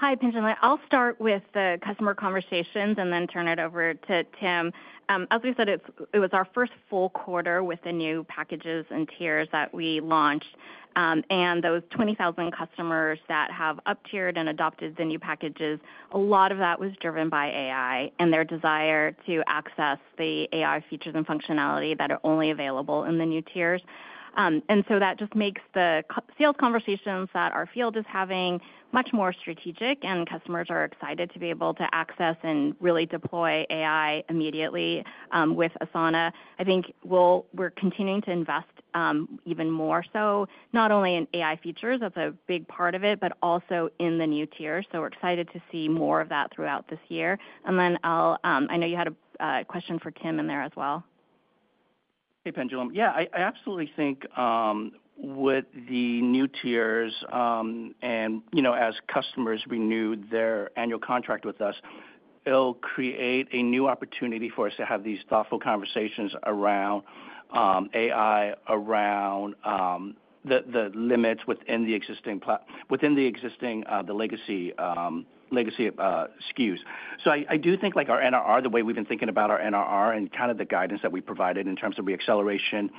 Hi, Pinjalim. I'll start with the customer conversations and then turn it over to Tim. As we said, it was our first full quarter with the new packages and tiers that we launched. And those 20,000 customers that have up-tiered and adopted the new packages, a lot of that was driven by AI and their desire to access the AI features and functionality that are only available in the new tiers. And so that just makes the sales conversations that our field is having much more strategic, and customers are excited to be able to access and really deploy AI immediately with Asana. I think we're continuing to invest even more so, not only in AI features, that's a big part of it, but also in the new tiers. So we're excited to see more of that throughout this year. And then I know you had a question for Tim in there as well. Hey, Pinjalim. Yeah, I absolutely think with the new tiers and as customers renew their annual contract with us, it'll create a new opportunity for us to have these thoughtful conversations around AI, around the limits within the existing legacy SKUs. So I do think our NRR, the way we've been thinking about our NRR and kind of the guidance that we provided in terms of reacceleration,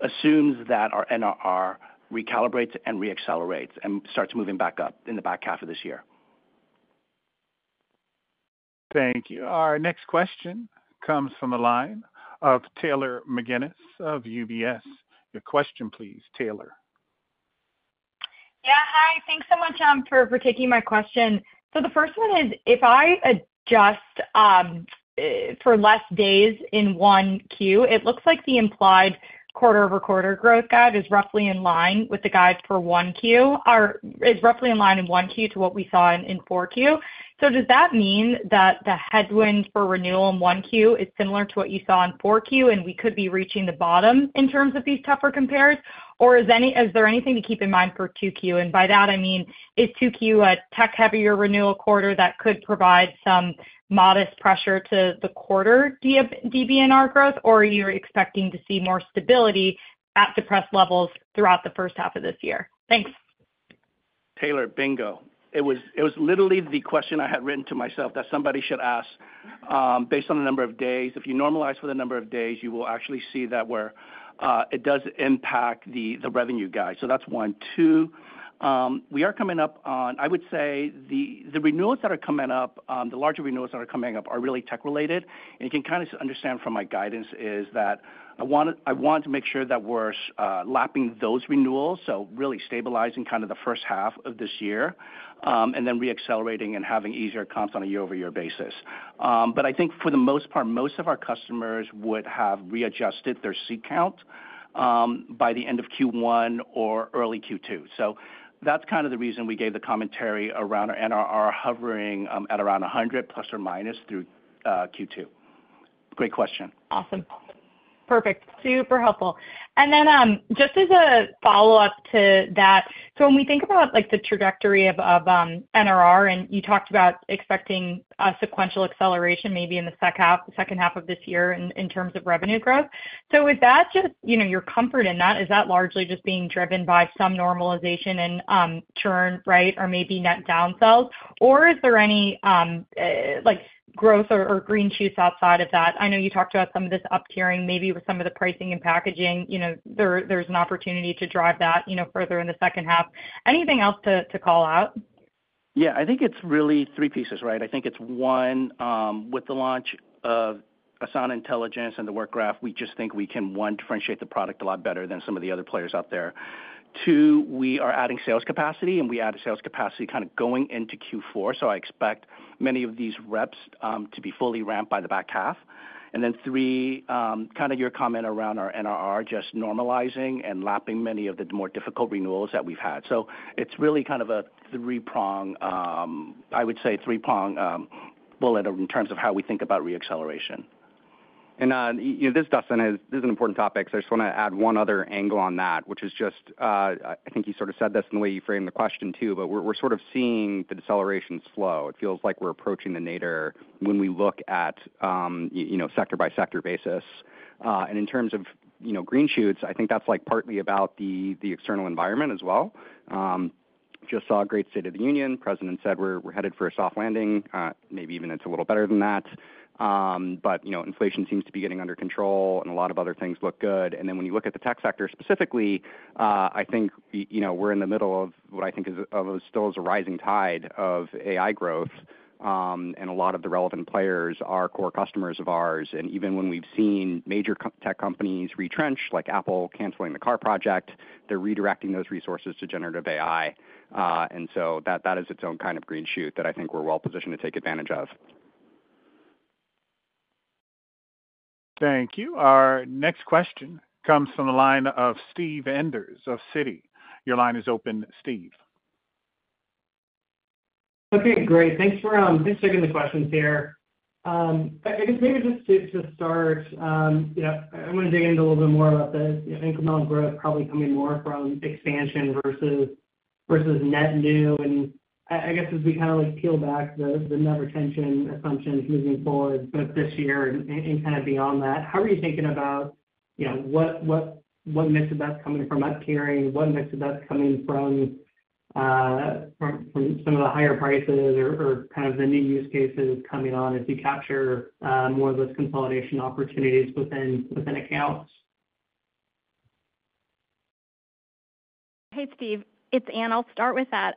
assumes that our NRR recalibrates and reaccelerates and starts moving back up in the back half of this year. Thank you. Our next question comes from the line of Taylor McGinnis of UBS. Your question, please, Taylor. Yeah. Hi. Thanks so much for taking my question. So the first one is if I adjust for less days in 1Q, it looks like the implied quarter-over-quarter growth guide is roughly in line with the guide for 1Q is roughly in line in 1Q to what we saw in 4Q. So does that mean that the headwind for renewal in 1Q is similar to what you saw in 4Q and we could be reaching the bottom in terms of these tougher compares? Or is there anything to keep in mind for 2Q? And by that, I mean, is 2Q a tech-heavier renewal quarter that could provide some modest pressure to the quarter DBNR growth, or are you expecting to see more stability at depressed levels throughout the first half of this year? Thanks. Taylor, bingo. It was literally the question I had written to myself that somebody should ask. Based on the number of days, if you normalize for the number of days, you will actually see that where it does impact the revenue guide. So that's one. Two, we are coming up on I would say the renewals that are coming up, the larger renewals that are coming up are really tech-related. And you can kind of understand from my guidance is that I want to make sure that we're lapping those renewals, so really stabilizing kind of the first half of this year and then reaccelerating and having easier comps on a year-over-year basis. But I think for the most part, most of our customers would have readjusted their seat count by the end of Q1 or early Q2. That's kind of the reason we gave the commentary around our NRR hovering at around 100± through Q2. Great question. Awesome. Perfect. Super helpful. And then just as a follow-up to that, so when we think about the trajectory of NRR, and you talked about expecting sequential acceleration maybe in the second half of this year in terms of revenue growth. So is that just your comfort in that? Is that largely just being driven by some normalization and churn, right, or maybe net downsells? Or is there any growth or green shoots outside of that? I know you talked about some of this up-tiering, maybe with some of the pricing and packaging, there's an opportunity to drive that further in the second half. Anything else to call out? Yeah. I think it's really three pieces, right? I think it's, one, with the launch of Asana Intelligence and the Work Graph, we just think we can, one, differentiate the product a lot better than some of the other players out there. Two, we are adding sales capacity, and we add sales capacity kind of going into Q4. So I expect many of these reps to be fully ramped by the back half. And then three, kind of your comment around our NRR, just normalizing and lapping many of the more difficult renewals that we've had. So it's really kind of a three-prong, I would say, three-prong bullet in terms of how we think about reacceleration. This is Dustin. This is an important topic. So I just want to add one other angle on that, which is just I think you sort of said this in the way you framed the question too, but we're sort of seeing the decelerations flow. It feels like we're approaching the nadir when we look at sector-by-sector basis. And in terms of green shoots, I think that's partly about the external environment as well. Just saw a great State of the Union. President said we're headed for a soft landing. Maybe even it's a little better than that. But inflation seems to be getting under control, and a lot of other things look good. And then when you look at the tech sector specifically, I think we're in the middle of what I think still is a rising tide of AI growth. A lot of the relevant players are core customers of ours. Even when we've seen major tech companies retrench, like Apple canceling the car project, they're redirecting those resources to generative AI. So that is its own kind of green shoot that I think we're well positioned to take advantage of. Thank you. Our next question comes from the line of Steve Enders of Citi. Your line is open, Steve. Okay. Great. Thanks for taking the questions here. I guess maybe just to start, I want to dig into a little bit more about the incremental growth, probably coming more from expansion versus net new. I guess as we kind of peel back the net retention assumptions moving forward, both this year and kind of beyond that, how are you thinking about what makes it best coming from up-tiering, what makes it best coming from some of the higher prices or kind of the new use cases coming on as you capture more of those consolidation opportunities within accounts? Hey, Steve. It's Anne. I'll start with that.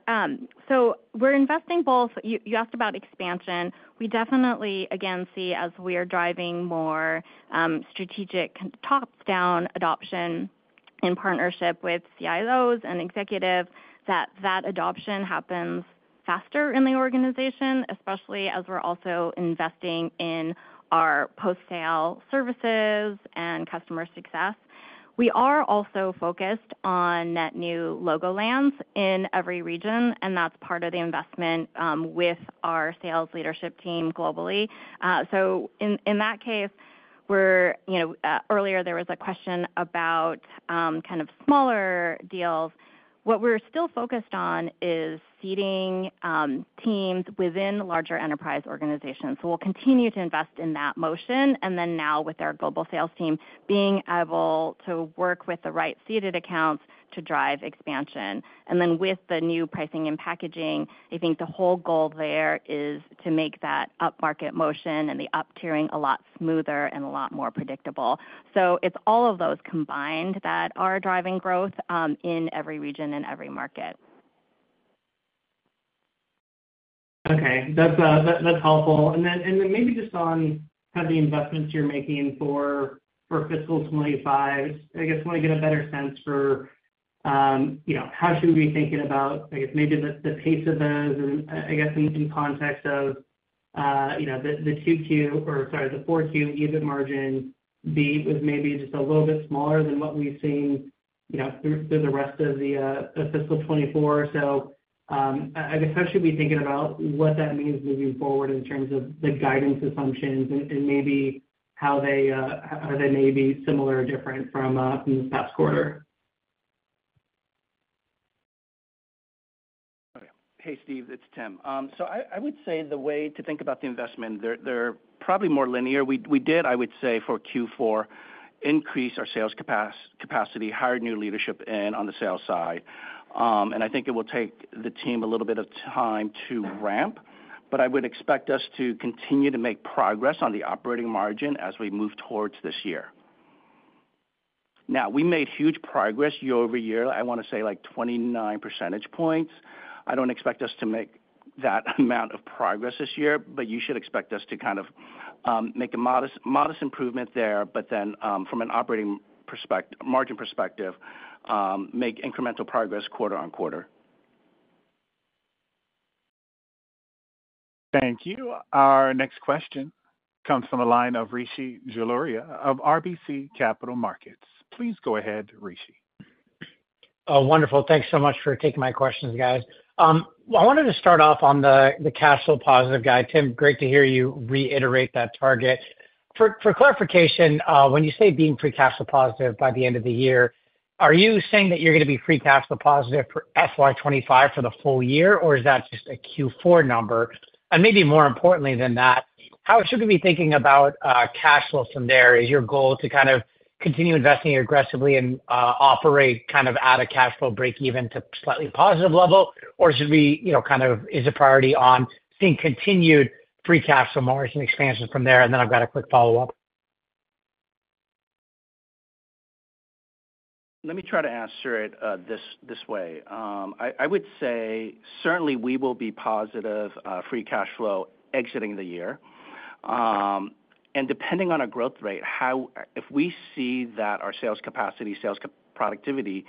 So we're investing both. You asked about expansion. We definitely, again, see, as we are driving more strategic top-down adoption in partnership with CIOs and executives that that adoption happens faster in the organization, especially as we're also investing in our post-sale services and customer success. We are also focused on net new logo lands in every region, and that's part of the investment with our sales leadership team globally. So in that case, earlier, there was a question about kind of smaller deals. What we're still focused on is seating teams within larger enterprise organizations. So we'll continue to invest in that motion. And then now with our global sales team, being able to work with the right seated accounts to drive expansion. And then with the new pricing and packaging, I think the whole goal there is to make that upmarket motion and the up-tiering a lot smoother and a lot more predictable. So it's all of those combined that are driving growth in every region and every market. Okay. That's helpful. And then maybe just on kind of the investments you're making for fiscal 2025, I guess I want to get a better sense for how should we be thinking about, I guess, maybe the pace of those, I guess, in context of the 2Q or sorry, the 4Q EBIT margin beat was maybe just a little bit smaller than what we've seen through the rest of the fiscal 2024. So I guess how should we be thinking about what that means moving forward in terms of the guidance assumptions and maybe how they may be similar or different from the past quarter? Hey, Steve. It's Tim. So I would say the way to think about the investment, they're probably more linear. We did, I would say, for Q4, increase our sales capacity, hired new leadership in on the sales side. And I think it will take the team a little bit of time to ramp. But I would expect us to continue to make progress on the operating margin as we move towards this year. Now, we made huge progress year-over-year. I want to say like 29 percentage points. I don't expect us to make that amount of progress this year, but you should expect us to kind of make a modest improvement there, but then from an operating margin perspective, make incremental progress quarter-on-quarter. Thank you. Our next question comes from the line of Rishi Jaluria of RBC Capital Markets. Please go ahead, Rishi. Wonderful. Thanks so much for taking my questions, guys. I wanted to start off on the cash flow positive guide. Tim, great to hear you reiterate that target. For clarification, when you say being free cash flow positive by the end of the year, are you saying that you're going to be free cash flow positive for FY25 for the full year, or is that just a Q4 number? And maybe more importantly than that, how should we be thinking about cash flow from there? Is your goal to kind of continue investing aggressively and operate kind of at a cash flow break-even to slightly positive level, or should we kind of is it priority on seeing continued free cash flow margin expansion from there? And then I've got a quick follow-up. Let me try to answer it this way. I would say certainly we will be positive free cash flow exiting the year. Depending on our growth rate, if we see that our sales capacity, sales productivity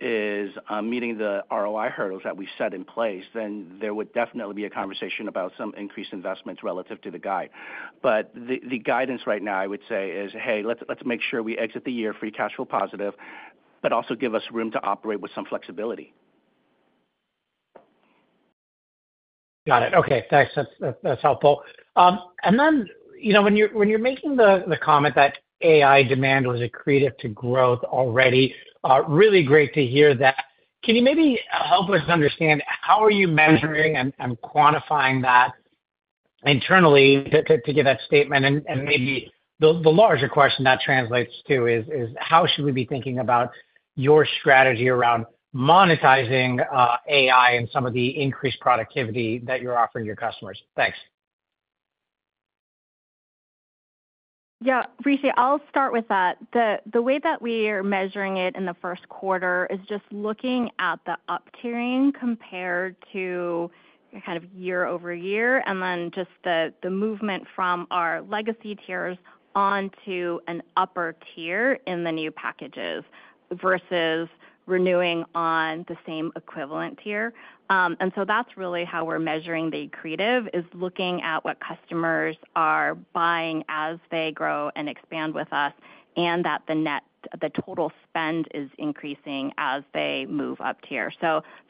is meeting the ROI hurdles that we've set in place, then there would definitely be a conversation about some increased investments relative to the guide. The guidance right now, I would say, is, hey, let's make sure we exit the year free cash flow positive, but also give us room to operate with some flexibility. Got it. Okay. Thanks. That's helpful. And then when you're making the comment that AI demand was a driver to growth already, really great to hear that. Can you maybe help us understand how are you measuring and quantifying that internally to get that statement? And maybe the larger question that translates to is how should we be thinking about your strategy around monetizing AI and some of the increased productivity that you're offering your customers? Thanks. Yeah. Rishi, I'll start with that. The way that we are measuring it in the first quarter is just looking at the up-tiering compared to kind of year-over-year and then just the movement from our legacy tiers onto an upper tier in the new packages versus renewing on the same equivalent tier. And so that's really how we're measuring the migration, is looking at what customers are buying as they grow and expand with us and that the total spend is increasing as they move up tier.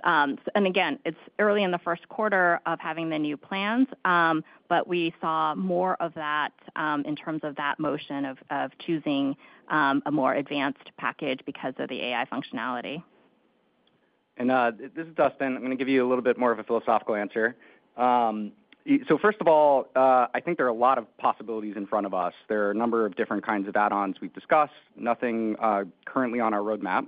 And again, it's early in the first quarter of having the new plans, but we saw more of that in terms of that motion of choosing a more advanced package because of the AI functionality. This is Dustin. I'm going to give you a little bit more of a philosophical answer. First of all, I think there are a lot of possibilities in front of us. There are a number of different kinds of add-ons we've discussed. Nothing currently on our roadmap.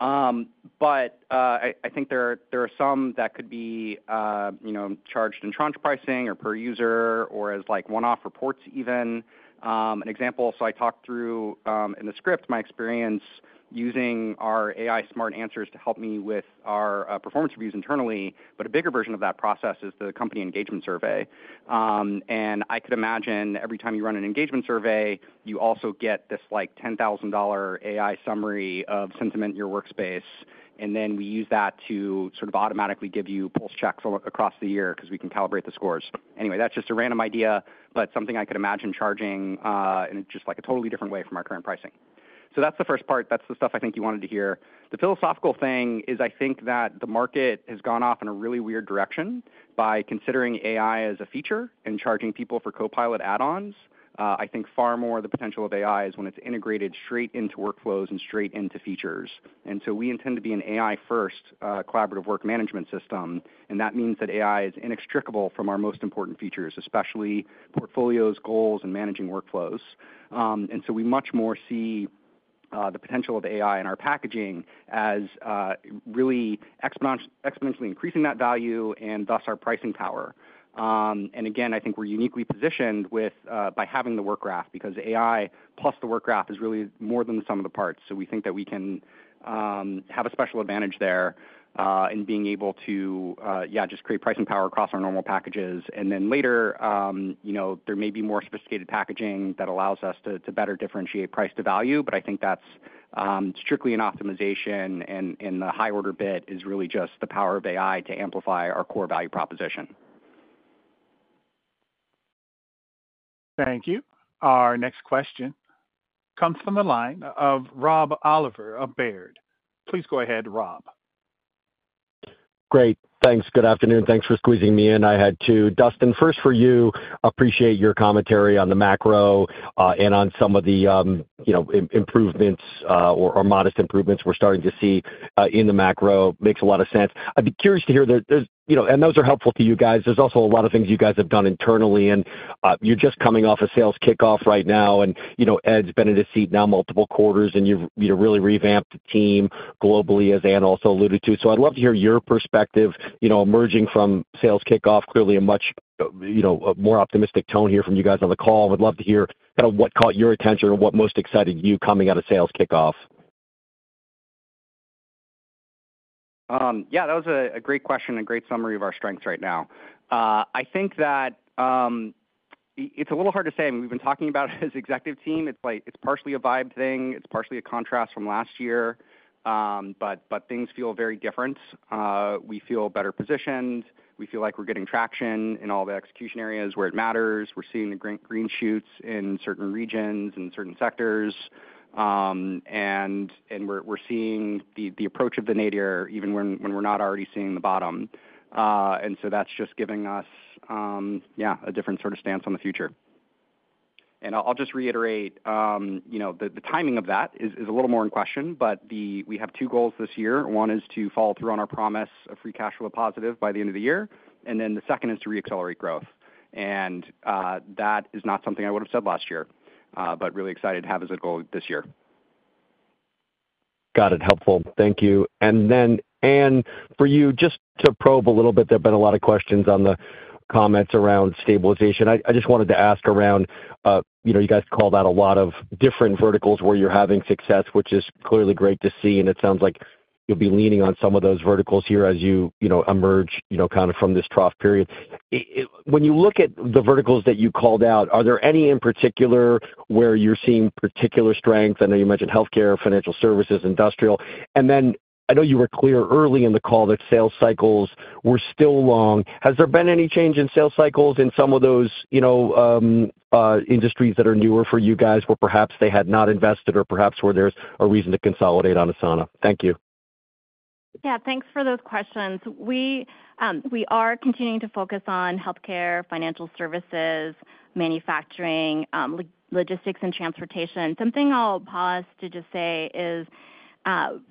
I think there are some that could be charged in tranche pricing or per user or as one-off reports even. An example, I talked through in the script my experience using our AI smart answers to help me with our performance reviews internally, but a bigger version of that process is the company engagement survey. I could imagine every time you run an engagement survey, you also get this $10,000 AI summary of sentiment in your workspace. And then we use that to sort of automatically give you pulse checks across the year because we can calibrate the scores. Anyway, that's just a random idea, but something I could imagine charging in just a totally different way from our current pricing. So that's the first part. That's the stuff I think you wanted to hear. The philosophical thing is I think that the market has gone off in a really weird direction by considering AI as a feature and charging people for Copilot add-ons. I think far more the potential of AI is when it's integrated straight into workflows and straight into features. And so we intend to be an AI-first collaborative work management system. And that means that AI is inextricable from our most important features, especially portfolios, goals, and managing workflows. And so we much more see the potential of AI in our packaging as really exponentially increasing that value and thus our pricing power. And again, I think we're uniquely positioned by having the Work Graph because AI plus the Work Graph is really more than the sum of the parts. So we think that we can have a special advantage there in being able to, yeah, just create pricing power across our normal packages. And then later, there may be more sophisticated packaging that allows us to better differentiate price to value. But I think that's strictly an optimization, and the high order bit is really just the power of AI to amplify our core value proposition. Thank you. Our next question comes from the line of Rob Oliver of Baird. Please go ahead, Rob. Great. Thanks. Good afternoon. Thanks for squeezing me in. I had two. Dustin, first for you, appreciate your commentary on the macro and on some of the improvements or modest improvements we're starting to see in the macro. Makes a lot of sense. I'd be curious to hear. There's and those are helpful to you guys. There's also a lot of things you guys have done internally, and you're just coming off a sales kickoff right now, and Ed's been in his seat now multiple quarters, and you've really revamped the team globally, as Anne also alluded to. So I'd love to hear your perspective emerging from sales kickoff, clearly a much more optimistic tone here from you guys on the call. I would love to hear kind of what caught your attention or what most excited you coming out of sales kickoff. Yeah. That was a great question and great summary of our strengths right now. I think that it's a little hard to say. I mean, we've been talking about it as executive team. It's partially a vibed thing. It's partially a contrast from last year. But things feel very different. We feel better positioned. We feel like we're getting traction in all the execution areas where it matters. We're seeing the green shoots in certain regions and certain sectors. And we're seeing the approach of the nadir even when we're not already seeing the bottom. And so that's just giving us, yeah, a different sort of stance on the future. And I'll just reiterate, the timing of that is a little more in question, but we have two goals this year. One is to follow through on our promise of free cash flow positive by the end of the year. Then the second is to reaccelerate growth. That is not something I would have said last year, but really excited to have as a goal this year. Got it. Helpful. Thank you. And then, Anne, for you, just to probe a little bit, there have been a lot of questions on the comments around stabilization. I just wanted to ask around you guys call that a lot of different verticals where you're having success, which is clearly great to see. And it sounds like you'll be leaning on some of those verticals here as you emerge kind of from this trough period. When you look at the verticals that you called out, are there any in particular where you're seeing particular strength? I know you mentioned healthcare, financial services, industrial. And then I know you were clear early in the call that sales cycles were still long. Has there been any change in sales cycles in some of those industries that are newer for you guys where perhaps they had not invested or perhaps where there's a reason to consolidate on Asana? Thank you. Yeah. Thanks for those questions. We are continuing to focus on healthcare, financial services, manufacturing, logistics, and transportation. Something I'll pause to just say is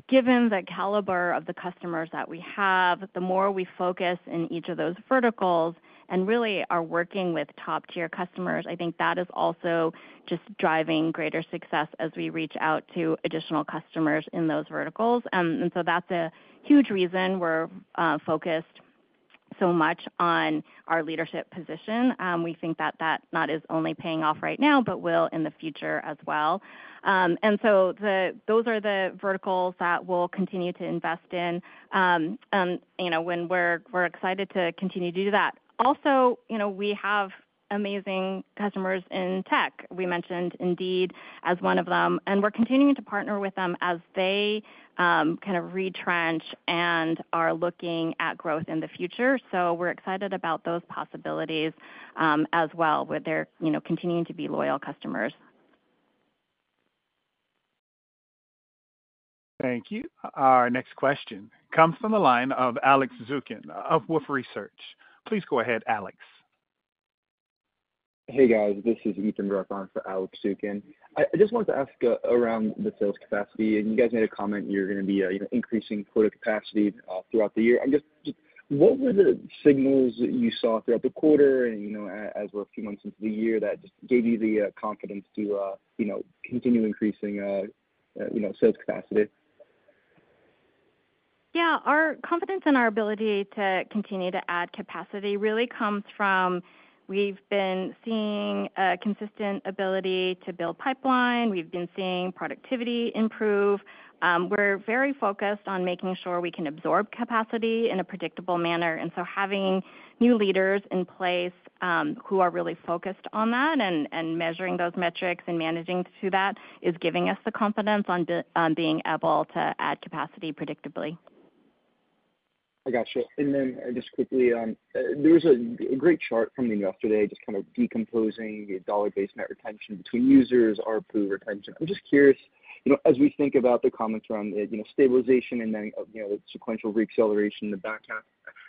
given the caliber of the customers that we have, the more we focus in each of those verticals and really are working with top-tier customers, I think that is also just driving greater success as we reach out to additional customers in those verticals. And so that's a huge reason we're focused so much on our leadership position. We think that that not is only paying off right now, but will in the future as well. And so those are the verticals that we'll continue to invest in when we're excited to continue to do that. Also, we have amazing customers in tech. We mentioned Indeed as one of them. We're continuing to partner with them as they kind of retrench and are looking at growth in the future. We're excited about those possibilities as well with their continuing to be loyal customers. Thank you. Our next question comes from the line of Alex Zukin of Wolfe Research. Please go ahead, Alex. Hey, guys. This is Ethan Bruck on for Alex Zukin. I just wanted to ask around the sales capacity. You guys made a comment you're going to be increasing quota capacity throughout the year. I'm just what were the signals that you saw throughout the quarter and as we're a few months into the year that just gave you the confidence to continue increasing sales capacity? Yeah. Our confidence in our ability to continue to add capacity really comes from we've been seeing a consistent ability to build pipeline. We've been seeing productivity improve. We're very focused on making sure we can absorb capacity in a predictable manner. And so having new leaders in place who are really focused on that and measuring those metrics and managing to do that is giving us the confidence on being able to add capacity predictably. I gotcha. And then just quickly, there was a great chart from the news yesterday just kind of decomposing the dollar-based net retention between users, RPU retention. I'm just curious, as we think about the comments around stabilization and then the sequential reacceleration, the back half,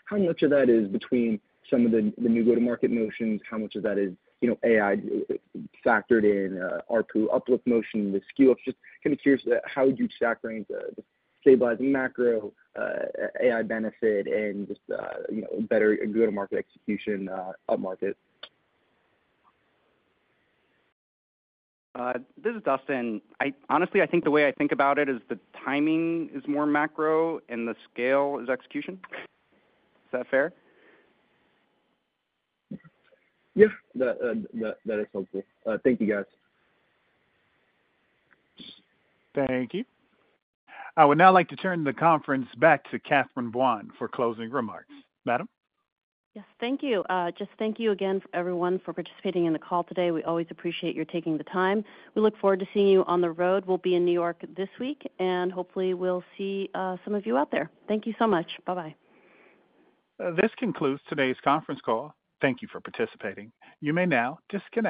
how much of that is between some of the new go-to-market motions, how much of that is AI factored in, RPU uplift motion, the skew-ups? Just kind of curious, how would you stack range the stabilizing macro AI benefit and just better go-to-market execution upmarket? This is Dustin. Honestly, I think the way I think about it is the timing is more macro and the scale is execution. Is that fair? Yeah. That is helpful. Thank you, guys. Thank you. I would now like to turn the conference back to Catherine Buan for closing remarks. Madam? Yes. Thank you. Just thank you again, everyone, for participating in the call today. We always appreciate your taking the time. We look forward to seeing you on the road. We'll be in New York this week, and hopefully, we'll see some of you out there. Thank you so much. Bye-bye. This concludes today's conference call. Thank you for participating. You may now discontinue.